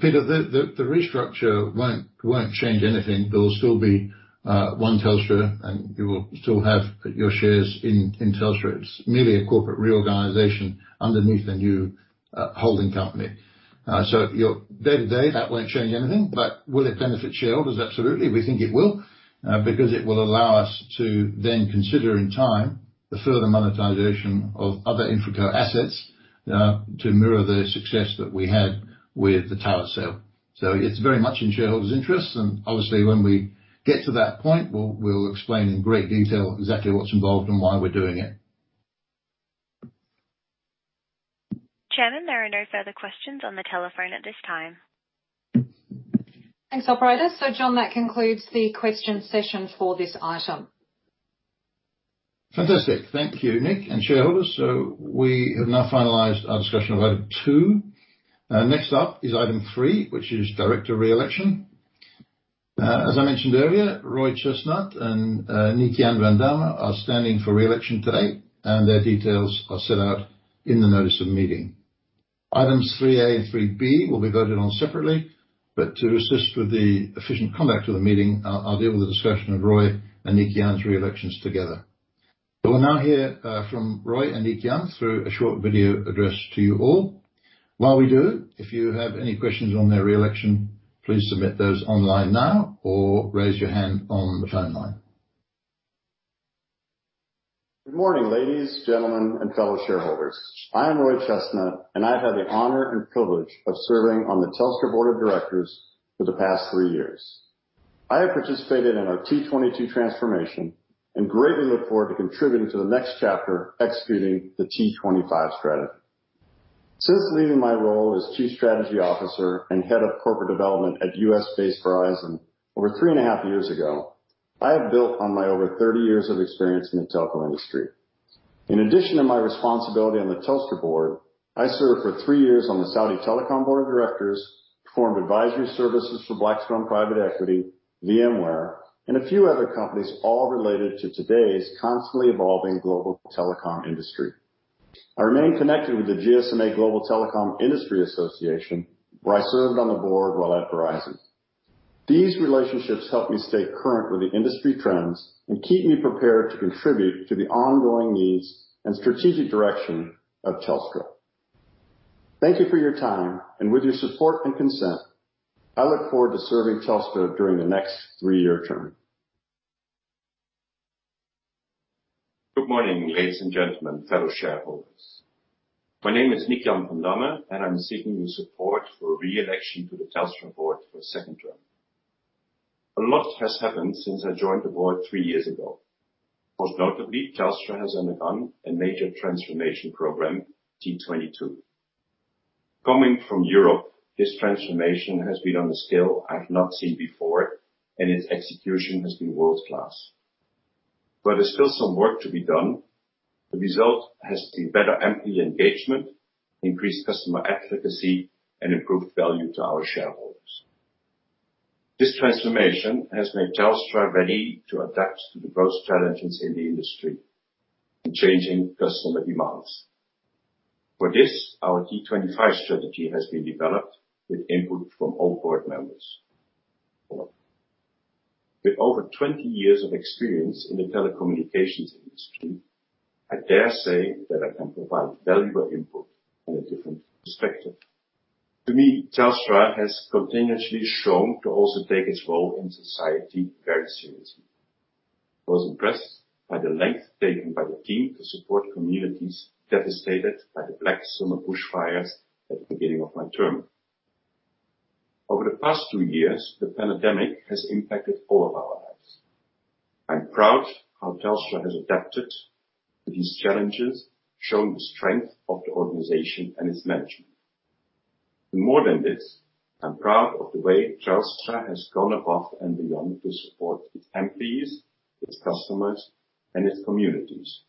Peter, the restructure won't change anything. There will still be one Telstra, and you will still have your shares in Telstra. It's merely a corporate reorganization underneath a new holding company. Your day-to-day, that won't change anything. Will it benefit shareholders? Absolutely. We think it will, because it will allow us to then consider in time the further monetization of other InfraCo assets to mirror the success that we had with the tower sale. It's very much in shareholders' interests, and obviously when we get to that point, we'll explain in great detail exactly what's involved and why we're doing it. Chairman, there are no further questions on the telephone at this time. Thanks, operator. John, that concludes the question session for this item. Fantastic. Thank you, Nick and shareholders. We have now finalized our discussion of item two. Next up is item three, which is director re-election. As I mentioned earlier, Roy Chestnutt and Niek Jan van Damme are standing for re-election today, and their details are set out in the notice of meeting. Items 3A and 3B will be voted on separately, to assist with the efficient conduct of the meeting, I'll deal with the discussion of Roy Chestnutt and Niek Jan's re-elections together. We'll now hear from Roy Chestnutt and Niek Jan through a short video address to you all. While we do, if you have any questions on their re-election, please submit those online now or raise your hand on the phone line. Good morning, ladies, gentlemen, and fellow shareholders. I am Roy H Chestnutt and I've had the honor and privilege of serving on the Telstra board of directors for the past three years. I have participated in our T22 transformation and greatly look forward to contributing to the next chapter, executing the T25 strategy. Since leaving my role as Chief Strategy Officer and Head of Corporate Development at U.S.-based Verizon over three and a half years ago, I have built on my over 30 years of experience in the telecom industry. In addition to my responsibility on the Telstra board, I served for three years on the stc Group board of directors, performed advisory services for Blackstone Private Equity, VMware, and a few other companies, all related to today's constantly evolving global telecom industry. I remain connected with the GSMA Global Telecom Industry Association, where I served on the board while at Verizon. These relationships help me stay current with the industry trends and keep me prepared to contribute to the ongoing needs and strategic direction of Telstra. Thank you for your time, and with your support and consent, I look forward to serving Telstra during the next three-year term. Good morning, ladies and gentlemen, fellow shareholders. My name is Niek Jan van Damme, and I am seeking your support for re-election to the Telstra board for a second term. A lot has happened since I joined the board three years ago. Most notably, Telstra has undergone a major transformation program, T22. Coming from Europe, this transformation has been on the scale I have not seen before, and its execution has been world-class. While there is still some work to be done, the result has been better employee engagement, increased customer advocacy, and improved value to our shareholders. This transformation has made Telstra ready to adapt to the growth challenges in the industry and changing customer demands. For this, our T25 strategy has been developed with input from all board members. With over 20 years of experience in the telecommunications industry, I dare say that I can provide valuable input and a different perspective. To me, Telstra has continuously shown to also take its role in society very seriously. I was impressed by the length taken by the team to support communities devastated by the Black Summer bushfires at the beginning of my term. Over the past two years, the pandemic has impacted all of our lives. I'm proud how Telstra has adapted to these challenges, showing the strength of the organization and its management. More than this, I'm proud of the way Telstra has gone above and beyond to support its employees, its customers, and its communities.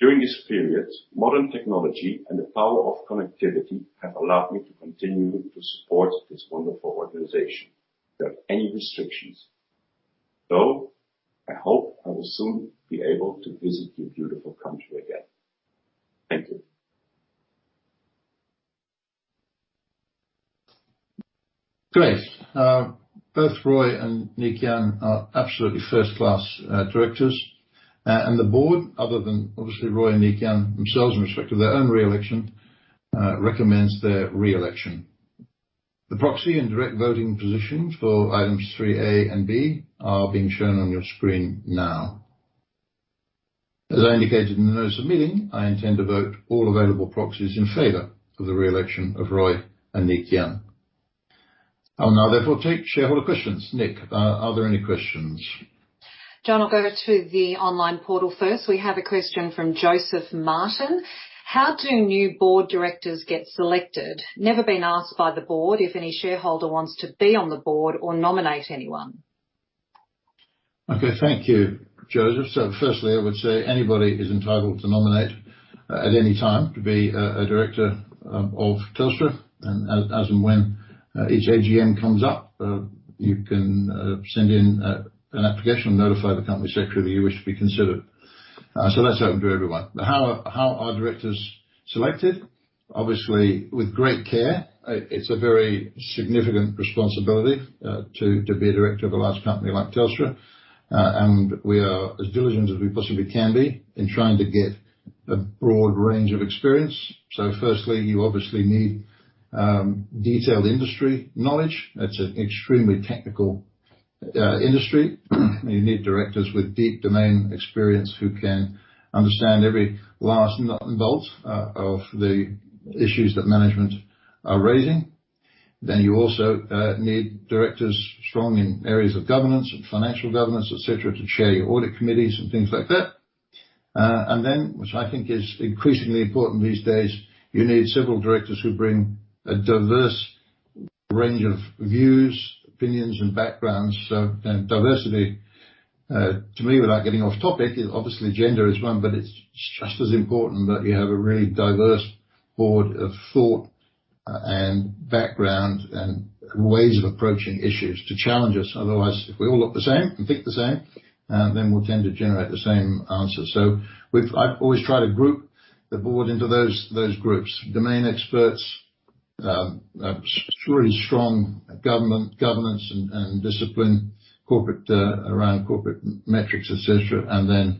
During this period, modern technology and the power of connectivity have allowed me to continue to support this wonderful organization without any restrictions. I hope I will soon be able to visit your beautiful country again. Thank you. Great. Both Roy and Niek Jan are absolutely first-class directors, and the board, other than obviously Roy and Niek Jan themselves in respect of their own re-election, recommends their re-election. The proxy and direct voting positions for items 3A and B are being shown on your screen now. As I indicated in the notice of the meeting, I intend to vote all available proxies in favor of the re-election of Roy and Niek Jan. I will now therefore take shareholder questions. Nick, are there any questions? John, I'll go to the online portal first. We have a question from Joseph Martin: How do new board directors get selected? Never been asked by the board if any shareholder wants to be on the board or nominate anyone. Okay. Thank you, Joseph. Firstly, I would say anybody is entitled to nominate at any time to be a director of Telstra, and as and when each AGM comes up, you can send in an application and notify the company secretary that you wish to be considered. That's open to everyone. How are directors selected? Obviously, with great care. It's a very significant responsibility to be a director of a large company like Telstra. We are as diligent as we possibly can be in trying to get a broad range of experience. Firstly, you obviously need detailed industry knowledge. It's an extremely technical industry, and you need directors with deep domain experience who can understand every last nut and bolt of the issues that management are raising. You also need directors strong in areas of governance and financial governance, et cetera, to chair your audit committees and things like that. Which I think is increasingly important these days, you need several directors who bring a diverse range of views, opinions, and backgrounds. Diversity, to me, without getting off-topic, obviously gender is one, but it's just as important that you have a really diverse board of thought and background and ways of approaching issues to challenge us. Otherwise, if we all look the same and think the same, then we'll tend to generate the same answers. I've always tried to group the board into those groups. Domain experts, really strong government, governance and discipline around corporate metrics, et cetera.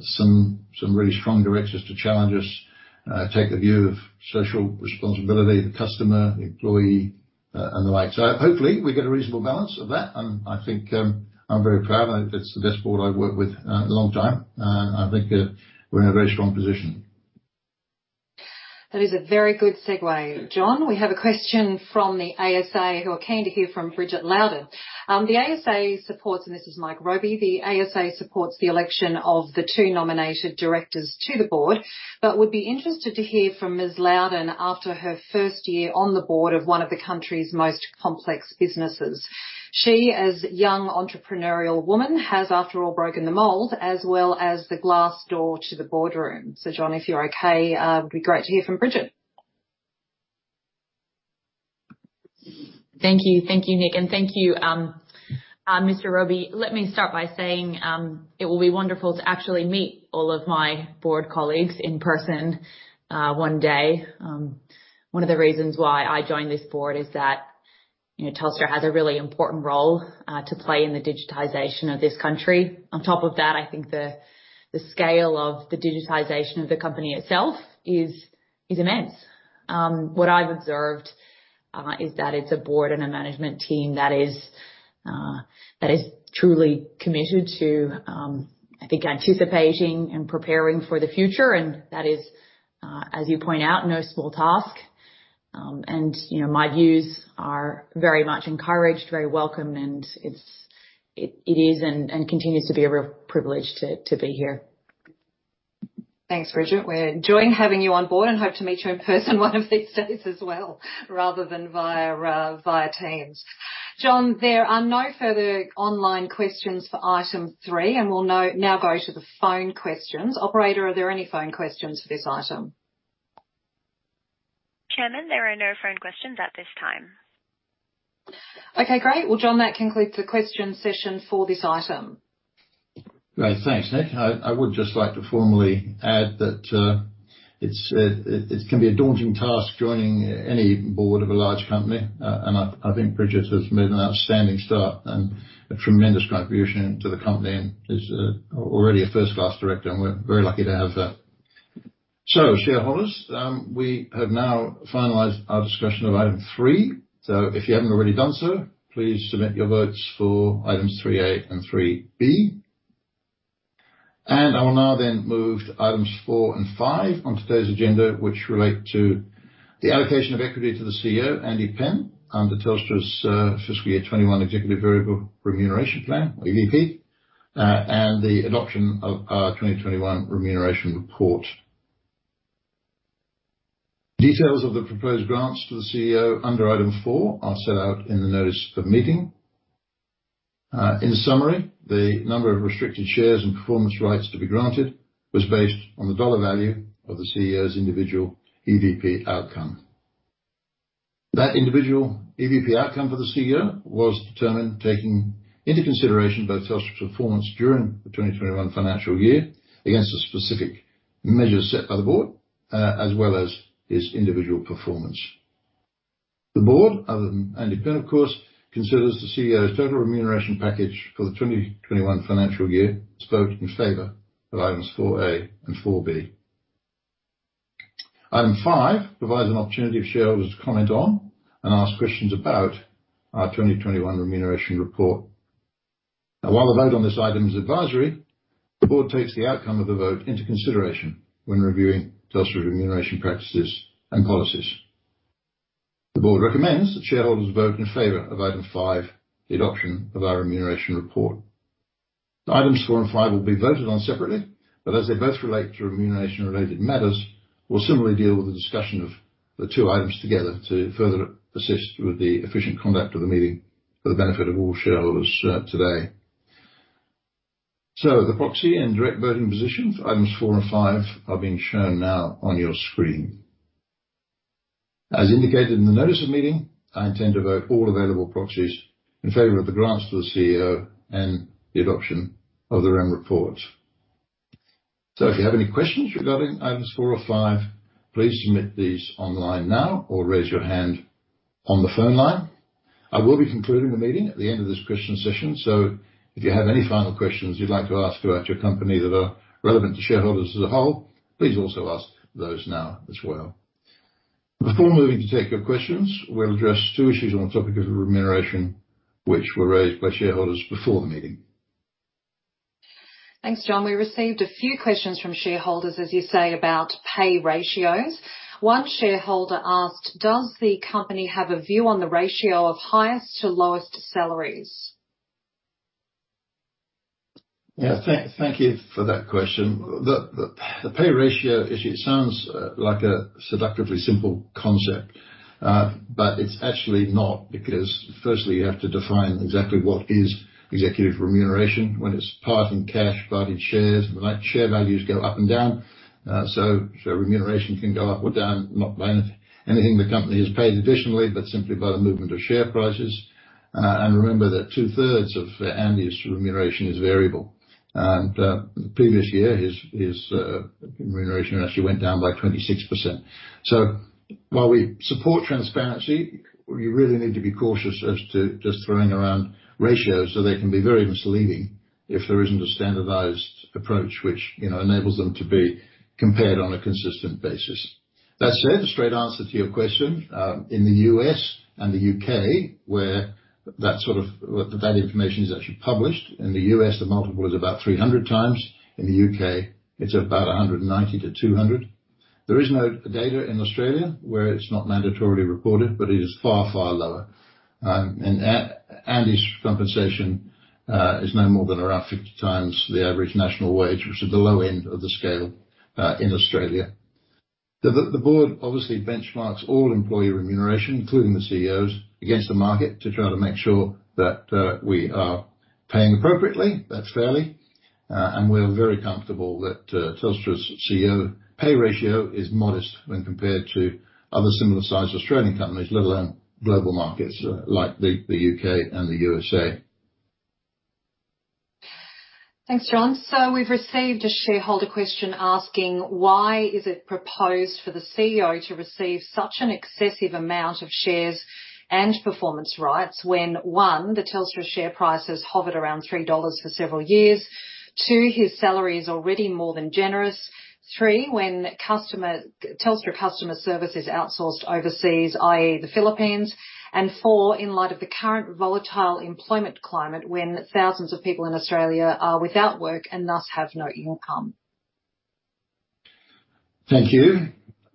Some really strong directors to challenge us, take a view of social responsibility, the customer, the employee, and the like. Hopefully, we get a reasonable balance of that, and I think I'm very proud. I think that's the best board I've worked with in a long time. I think we're in a very strong position. That is a very good segue, John. We have a question from the ASA, who are keen to hear from Bridget Loudon. "The ASA supports," and this is Mike Robey, "The ASA supports the election of the two nominated directors to the board, but would be interested to hear from Ms. Loudon after her first year on the board of one of the country's most complex businesses. She, as a young entrepreneurial woman, has, after all, broken the mold as well as the glass door to the boardroom." John, if you're okay, it would be great to hear from Bridget. Thank you. Thank you, Nick, and thank you, Mr. Robey. Let me start by saying it will be wonderful to actually meet all of my board colleagues in person one day. One of the reasons why I joined this board is that Telstra has a really important role to play in the digitization of this country. On top of that, I think the scale of the digitization of the company itself is immense. What I've observed is that it's a board and a management team that is truly committed to, I think, anticipating and preparing for the future, and that is, as you point out, no small task. My views are very much encouraged, very welcome, and it is and continues to be a real privilege to be here. Thanks, Bridget. We're enjoying having you on board and hope to meet you in person one of these days as well, rather than via Teams. John, there are no further online questions for item three. We'll now go to the phone questions. Operator, are there any phone questions for this item? Chairman, there are no phone questions at this time. Okay, great. Well, John, that concludes the question session for this item. Great. Thanks, Nick. I would just like to formally add that it can be a daunting task joining any board of a large company, and I think Bridget has made an outstanding start and a tremendous contribution to the company and is already a first-class director, and we're very lucky to have her. Shareholders, we have now finalized our discussion of item three. If you haven't already done so, please submit your votes for items 3A and 3B. I will now then move to items four and five on today's agenda, which relate to the allocation of equity to the Chief Executive Officer, Andy Penn, under Telstra's fiscal year 2021 Executive Variable Remuneration Plan, or EVP, and the adoption of our 2021 remuneration report. Details of the proposed grants to the Chief Executive Officer under item four are set out in the notice of meeting. In summary, the number of restricted shares and performance rights to be granted was based on the dollar value of the Chief Executive Officer's individual EVP outcome. That individual EVP outcome for the Chief Executive Officer was determined taking into consideration both Telstra's performance during the 2021 financial year against specific measures set by the board, as well as his individual performance. The board, other than Andy Penn, of course, considers the Chief Executive Officer's total remuneration package for the 2021 financial year vote in favor of items 4A and 4B. Item five provides an opportunity for shareholders to comment on and ask questions about our 2021 remuneration report. While the vote on this item is advisory, the board takes the outcome of the vote into consideration when reviewing Telstra remuneration practices and policies. The board recommends that shareholders vote in favor of item five, the adoption of our remuneration report. Items four and five will be voted on separately, but as they both relate to remuneration-related matters, we'll similarly deal with the discussion of the two items together to further assist with the efficient conduct of the meeting for the benefit of all shareholders today. The proxy and direct voting positions for items four and five are being shown now on your screen. As indicated in the notice of meeting, I intend to vote all available proxies in favor of the grants to the Chief Executive Officer and the adoption of the REM report. If you have any questions regarding items four or five, please submit these online now or raise your hand on the phone line. I will be concluding the meeting at the end of this question session. If you have any final questions you'd like to ask about your company that are relevant to shareholders as a whole, please also ask those now as well. Before moving to take your questions, we'll address two issues on the topic of remuneration, which were raised by shareholders before the meeting. Thanks, John. We received a few questions from shareholders, as you say, about pay ratios. One shareholder asked, does the company have a view on the ratio of highest to lowest salaries? Yeah. Thank you for that question. The pay ratio issue sounds like a seductively simple concept. It's actually not, because firstly, you have to define exactly what is executive remuneration when it's part in cash, part in shares. Share values go up and down. Remuneration can go up or down, not by anything the company has paid additionally, but simply by the movement of share prices. Remember that two-thirds of Andy's remuneration is variable. The previous year, his remuneration actually went down by 26%. While we support transparency, we really need to be cautious as to just throwing around ratios so they can be very misleading if there isn't a standardized approach which enables them to be compared on a consistent basis. That said, a straight answer to your question. In the U.S. and the U.K., where that sort of value information is actually published. In the U.S., the multiple is about 300x. In the U.K., it's about 190-200. There is no data in Australia, where it's not mandatorily reported, but it is far, far lower. Andy's compensation is no more than around 50x the average national wage, which is the low end of the scale in Australia. The board obviously benchmarks all employee remuneration, including the Chief Executive Officer's, against the market to try to make sure that we are paying appropriately, that's fairly. We are very comfortable that Telstra's Chief Executive Officer pay ratio is modest when compared to other similar sized Australian companies, let alone global markets like the U.K. and the USA. Thanks, John. We've received a shareholder question asking, why is it proposed for the Chief Executive Officer to receive such an excessive amount of shares and performance rights when, one. The Telstra share price has hovered around 3 dollars for several years. Two. His salary is already more than generous. Three. When Telstra customer service is outsourced overseas, i.e. the Philippines. Four. In light of the current volatile employment climate, when thousands of people in Australia are without work and thus have no income. Thank you.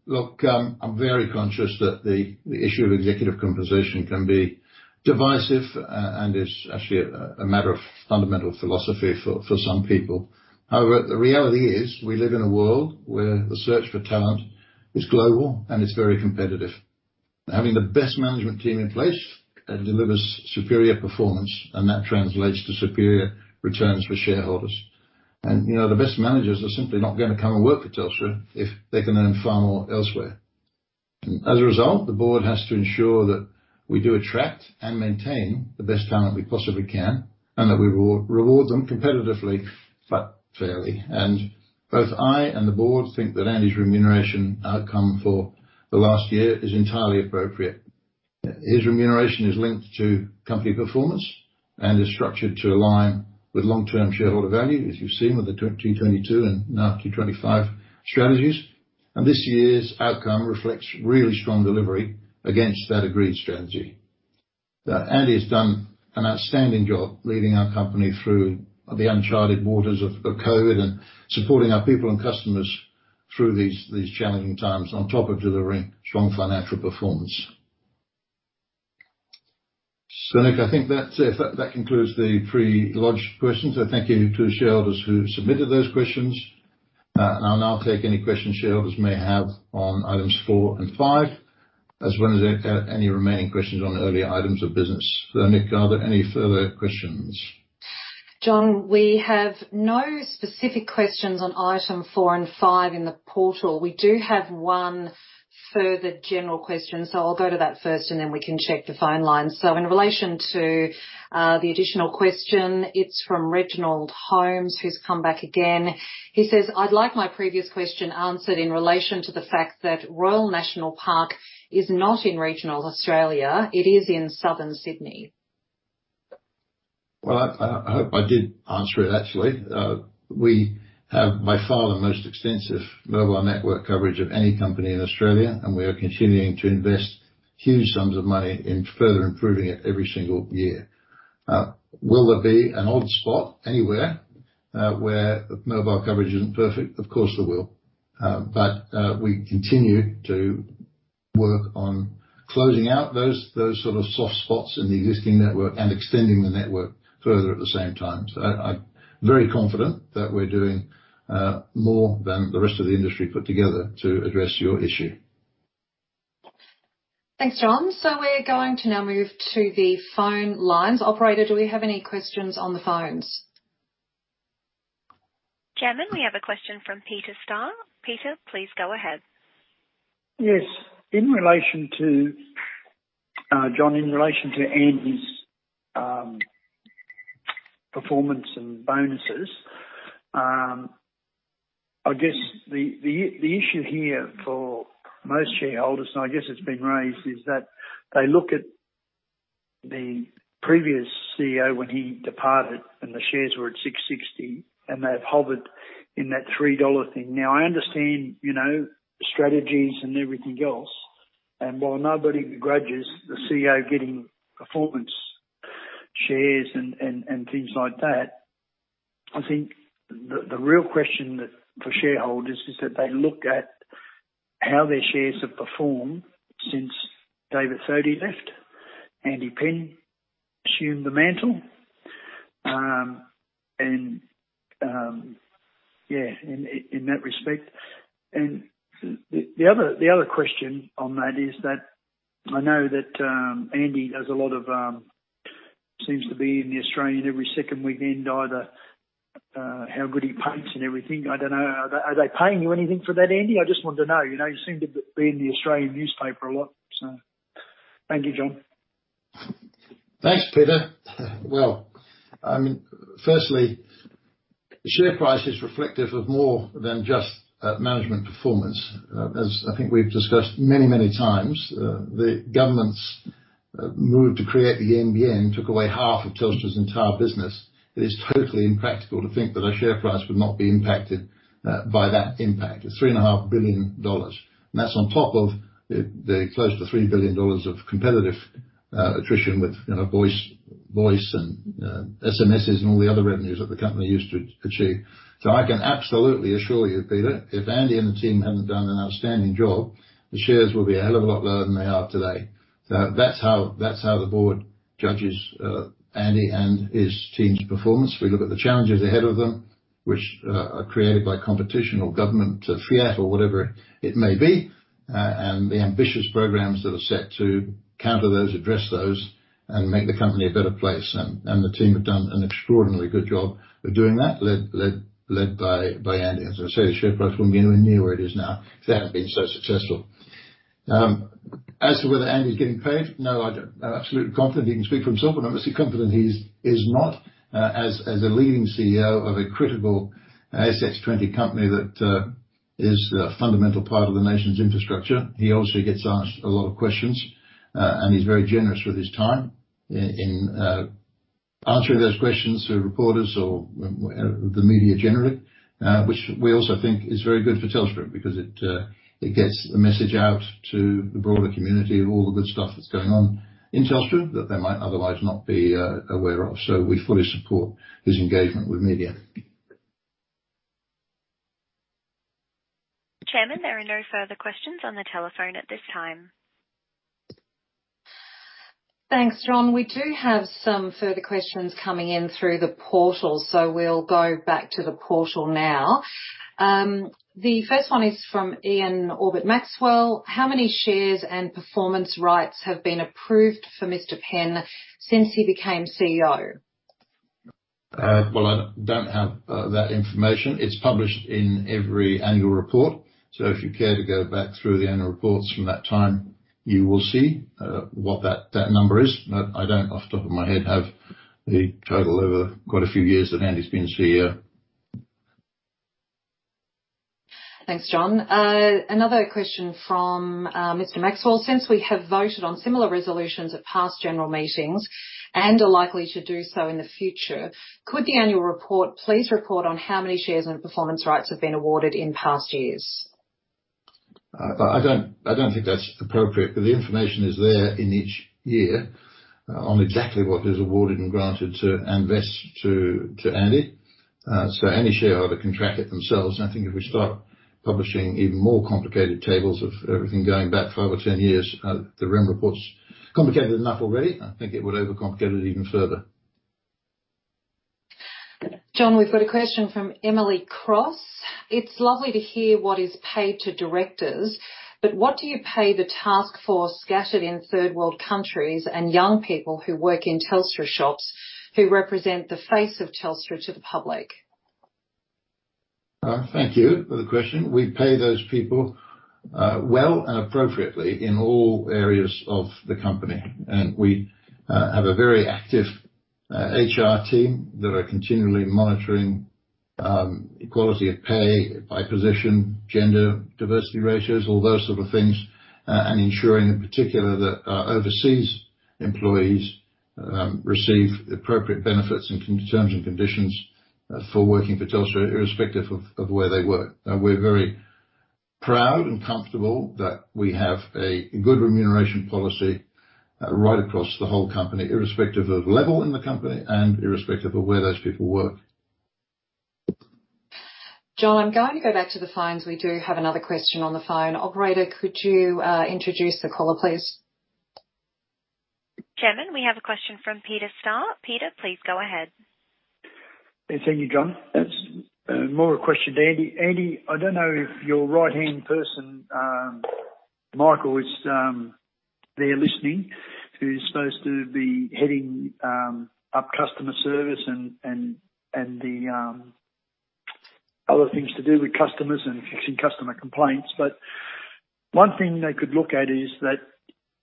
Look, I'm very conscious that the issue of executive compensation can be divisive and is actually a matter of fundamental philosophy for some people. However, the reality is we live in a world where the search for talent is global and it's very competitive. Having the best management team in place delivers superior performance, and that translates to superior returns for shareholders. The best managers are simply not going to come and work for Telstra if they can earn far more elsewhere. As a result, the board has to ensure that we do attract and maintain the best talent we possibly can and that we reward them competitively but fairly. Both I and the board think that Andy's remuneration outcome for the last year is entirely appropriate. His remuneration is linked to company performance and is structured to align with long-term shareholder value, as you've seen with the T22 and now T25 strategies. This year's outcome reflects really strong delivery against that agreed strategy. Andy has done an outstanding job leading our company through the uncharted waters of COVID and supporting our people and customers through these challenging times on top of delivering strong financial performance. Nick, I think that's it. That concludes the pre-lodged questions. Thank you to the shareholders who submitted those questions. I'll now take any questions shareholders may have on items four and five, as well as any remaining questions on earlier items of business. Nick, are there any further questions? John, we have no specific questions on item four and five in the portal. We do have one further general questions. I'll go to that first and then we can check the phone lines. In relation to the additional question, it's from Reginald Holmes, who's come back again. He says, "I'd like my previous question answered in relation to the fact that Royal National Park is not in regional Australia, it is in southern Sydney. Well, I hope I did answer it actually. We have by far the most extensive mobile network coverage of any company in Australia, and we are continuing to invest huge sums of money in further improving it every single year. Will there be an odd spot anywhere where mobile coverage isn't perfect? Of course, there will. We continue to work on closing out those sort of soft spots in the existing network and extending the network further at the same time. I'm very confident that we're doing more than the rest of the industry put together to address your issue. Thanks, John. We're going to now move to the phone lines. Operator, do we have any questions on the phones? Chairman, we have a question from Peter Starr. Peter, please go ahead. Yes. John, in relation to Andy's performance and bonuses, I guess the issue here for most shareholders, and I guess it has been raised, is that they look at the previous Chief Executive Officer when he departed and the shares were at 6.60, and they have hovered in that 3 dollar thing. I understand strategies and everything else. While nobody grudges the Chief Executive Officer getting performance shares and things like that, I think the real question for shareholders is that they look at how their shares have performed since David Thodey left. Andy Penn assumed the mantle. Yeah, in that respect. The other question on that is that I know that Andy does a lot of, seems to be in the Australian every second weekend, either how good he paints and everything. I do not know. Are they paying you anything for that, Andy? I just want to know. You seem to be in the Australian newspaper a lot. Thank you, John. Thanks, Peter. Well, firstly, share price is reflective of more than just management performance. As I think we've discussed many, many times, the government's move to create the NBN took away half of Telstra's entire business. It is totally impractical to think that our share price would not be impacted by that impact. It's 3.5 billion dollars. That's on top of the close to 3 billion dollars of competitive attrition with voice and SMSs and all the other revenues that the company used to achieve. I can absolutely assure you, Peter, if Andy and the team hadn't done an outstanding job, the shares would be a hell of a lot lower than they are today. That's how the board judges Andy and his team's performance. We look at the challenges ahead of them, which are created by competition or government fiat or whatever it may be, and the ambitious programs that are set to counter those, address those, and make the company a better place. The team have done an extraordinarily good job of doing that, led by Andy. As I say, the share price wouldn't be anywhere near where it is now if they hadn't been so successful. As to whether Andy's getting paid, no, I don't. Absolutely confident he can speak for himself, and obviously confident he is not as a leading Chief Executive Officer of a critical ASX 20 company that is a fundamental part of the nation's infrastructure. He obviously gets asked a lot of questions, and he's very generous with his time in answering those questions to reporters or the media generally. Which we also think is very good for Telstra, because it gets the message out to the broader community of all the good stuff that's going on in Telstra that they might otherwise not be aware of. We fully support his engagement with media. Chairman, there are no further questions on the telephone at this time. Thanks, John. We do have some further questions coming in through the portal, we'll go back to the portal now. The first one is from Ian Orbit Maxwell. How many shares and performance rights have been approved for Mr. Penn since he became Chief Executive Officer? Well, I don't have that information. It's published in every annual report. If you care to go back through the annual reports from that time, you will see what that number is. I don't, off the top of my head, have the total over quite a few years that Andy's been Chief Executive Officer. Thanks, John. Another question from Mr. Maxwell. Since we have voted on similar resolutions at past general meetings and are likely to do so in the future, could the annual report please report on how many shares and performance rights have been awarded in past years? I don't think that's appropriate. The information is there in each year on exactly what is awarded and granted to, and vests to Andy. Any shareholder can track it themselves. If we start publishing even more complicated tables of everything going back five or 10 years, the annual report's complicated enough already. It would overcomplicate it even further. John, we've got a question from Emily Cross. It's lovely to hear what is paid to directors, but what do you pay the task force scattered in third world countries and young people who work in Telstra shops who represent the face of Telstra to the public? Thank you for the question. We pay those people well and appropriately in all areas of the company. We have a very active HR team that are continually monitoring equality of pay by position, gender diversity ratios, all those sort of things, and ensuring in particular that our overseas employees receive appropriate benefits and terms and conditions for working for Telstra, irrespective of where they work. We're very proud and comfortable that we have a good remuneration policy right across the whole company, irrespective of level in the company and irrespective of where those people work. John, I'm going to go back to the phones. We do have another question on the phone. Operator, could you introduce the caller, please? Chairman, we have a question from Peter Starr. Peter, please go ahead. Yes. Thank you, John. That's more a question to Andy. Andy, I don't know if your right-hand person, Michael, is there listening, who's supposed to be heading up customer service and the other things to do with customers and fixing customer complaints. One thing they could look at is that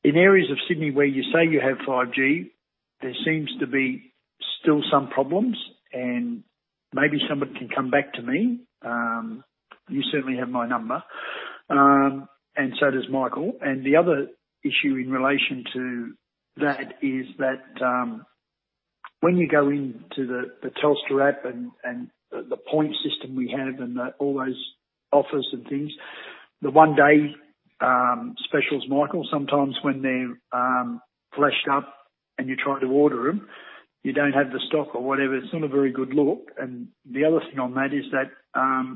in areas of Sydney where you say you have 5G, there seems to be still some problems, and maybe somebody can come back to me. You certainly have my number, and so does Michael. The other issue in relation to that is that when you go into the Telstra app and the point system we have and all those offers and things. The one-day specials, Michael, sometimes when they're fleshed up and you try to order them, you don't have the stock or whatever. It's not a very good look. The other thing on that is that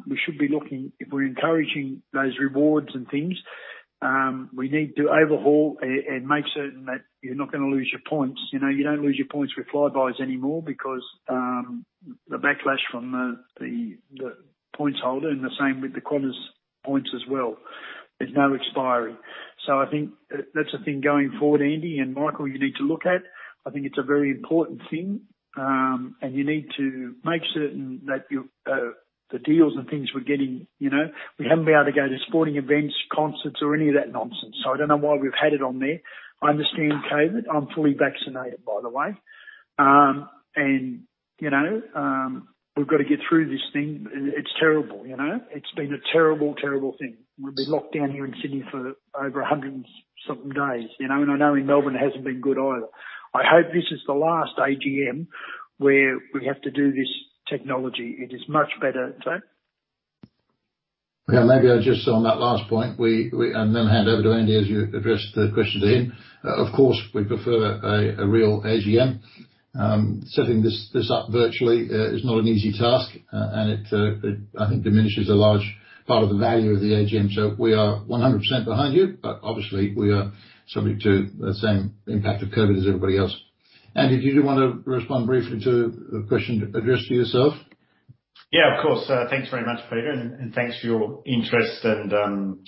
we should be looking, if we're encouraging those rewards and things, we need to overhaul and make certain that you're not going to lose your points. You don't lose your points with Flybuys anymore because the backlash from the points holder, and the same with the Qantas points as well. There's no expiry. I think that's the thing going forward, Andy and Michael, you need to look at. I think it's a very important thing. You need to make certain that the deals and things we're getting, we haven't been able to go to sporting events, concerts, or any of that nonsense. I don't know why we've had it on there. I understand COVID. I'm fully vaccinated, by the way. We've got to get through this thing. It's terrible. It's been a terrible thing. We've been locked down here in Sydney for over 100 and something days. I know in Melbourne it hasn't been good either. I hope this is the last AGM where we have to do this technology. It is much better. Yeah. Maybe just on that last point, hand over to Andy as you address the question to him. Of course, we'd prefer a real AGM. Setting this up virtually is not an easy task. It, I think, diminishes a large part of the value of the AGM. We are 100% behind you. Obviously, we are subject to the same impact of COVID as everybody else. Andy, did you want to respond briefly to the question addressed to yourself? Of course. Thanks very much, Peter, and thanks for your interest and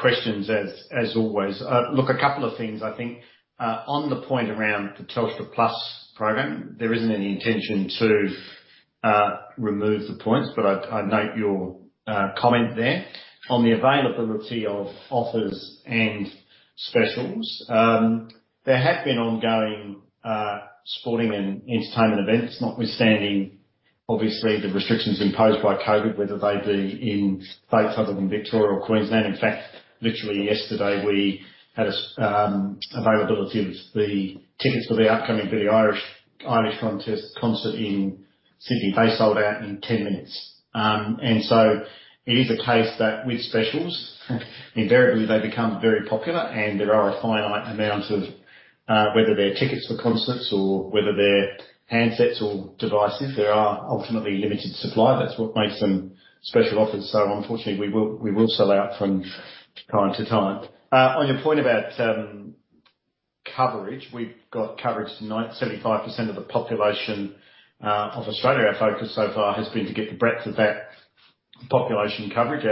questions as always. Look, a couple of things, I think. On the point around the Telstra Plus program, there isn't any intention to remove the points, but I note your comment there. On the availability of offers and specials, there have been ongoing sporting and entertainment events, notwithstanding, obviously, the restrictions imposed by COVID, whether they be in both southern Victoria or Queensland. In fact, literally yesterday, we had availability of the tickets for the upcoming Billie Eilish concert in Sydney. They sold out in 10 minutes. It is a case that with specials, invariably they become very popular and there are a finite amount, whether they're tickets for concerts or whether they're handsets or devices, there are ultimately limited supply. That's what makes them special offers. Unfortunately, we will sell out from time to time. On your point about coverage. We've got coverage for 75% of the population of Australia. Our focus so far has been to get the breadth of that population coverage.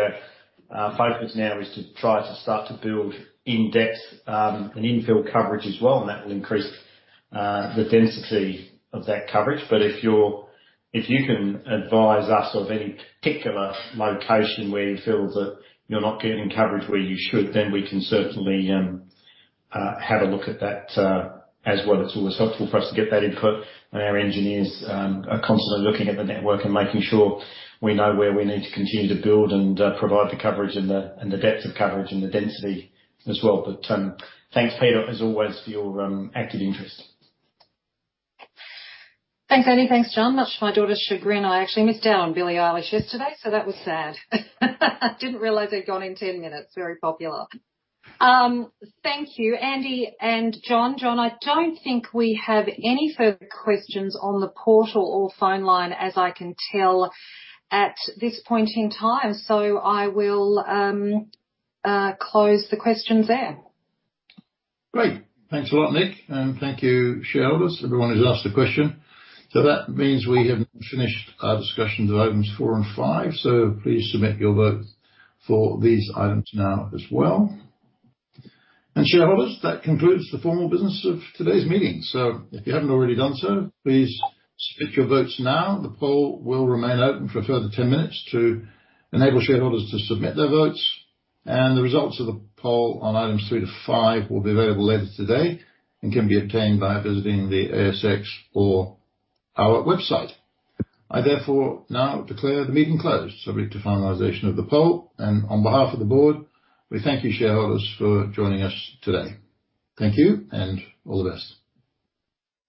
Our focus now is to try to start to build in-depth and infill coverage as well, and that will increase the density of that coverage. If you can advise us of any particular location where you feel that you're not getting coverage where you should, then we can certainly have a look at that as well. It's always helpful for us to get that input. Our engineers are constantly looking at the network and making sure we know where we need to continue to build and provide the coverage and the depth of coverage and the density as well. Thanks, Peter, as always, for your active interest. Thanks, Andy. Thanks, John. Much to my daughter's chagrin, I actually missed out on Billie Eilish yesterday. That was sad. Didn't realize they'd gone in 10 minutes. Very popular. Thank you, Andy and John. John, I don't think we have any further questions on the portal or phone line as I can tell at this point in time. I will close the questions there. Great. Thanks a lot, Nick. Thank you, shareholders, everyone who's asked a question. That means we have finished our discussions of items four and five. Please submit your vote for these items now as well. Shareholders, that concludes the formal business of today's meeting. If you haven't already done so, please submit your votes now. The poll will remain open for a further 10 minutes to enable shareholders to submit their votes. The results of the poll on items three to five will be available later today and can be obtained by visiting the ASX or our website. I therefore now declare the meeting closed, subject to finalization of the poll. On behalf of the board, we thank you, shareholders, for joining us today. Thank you, and all the best.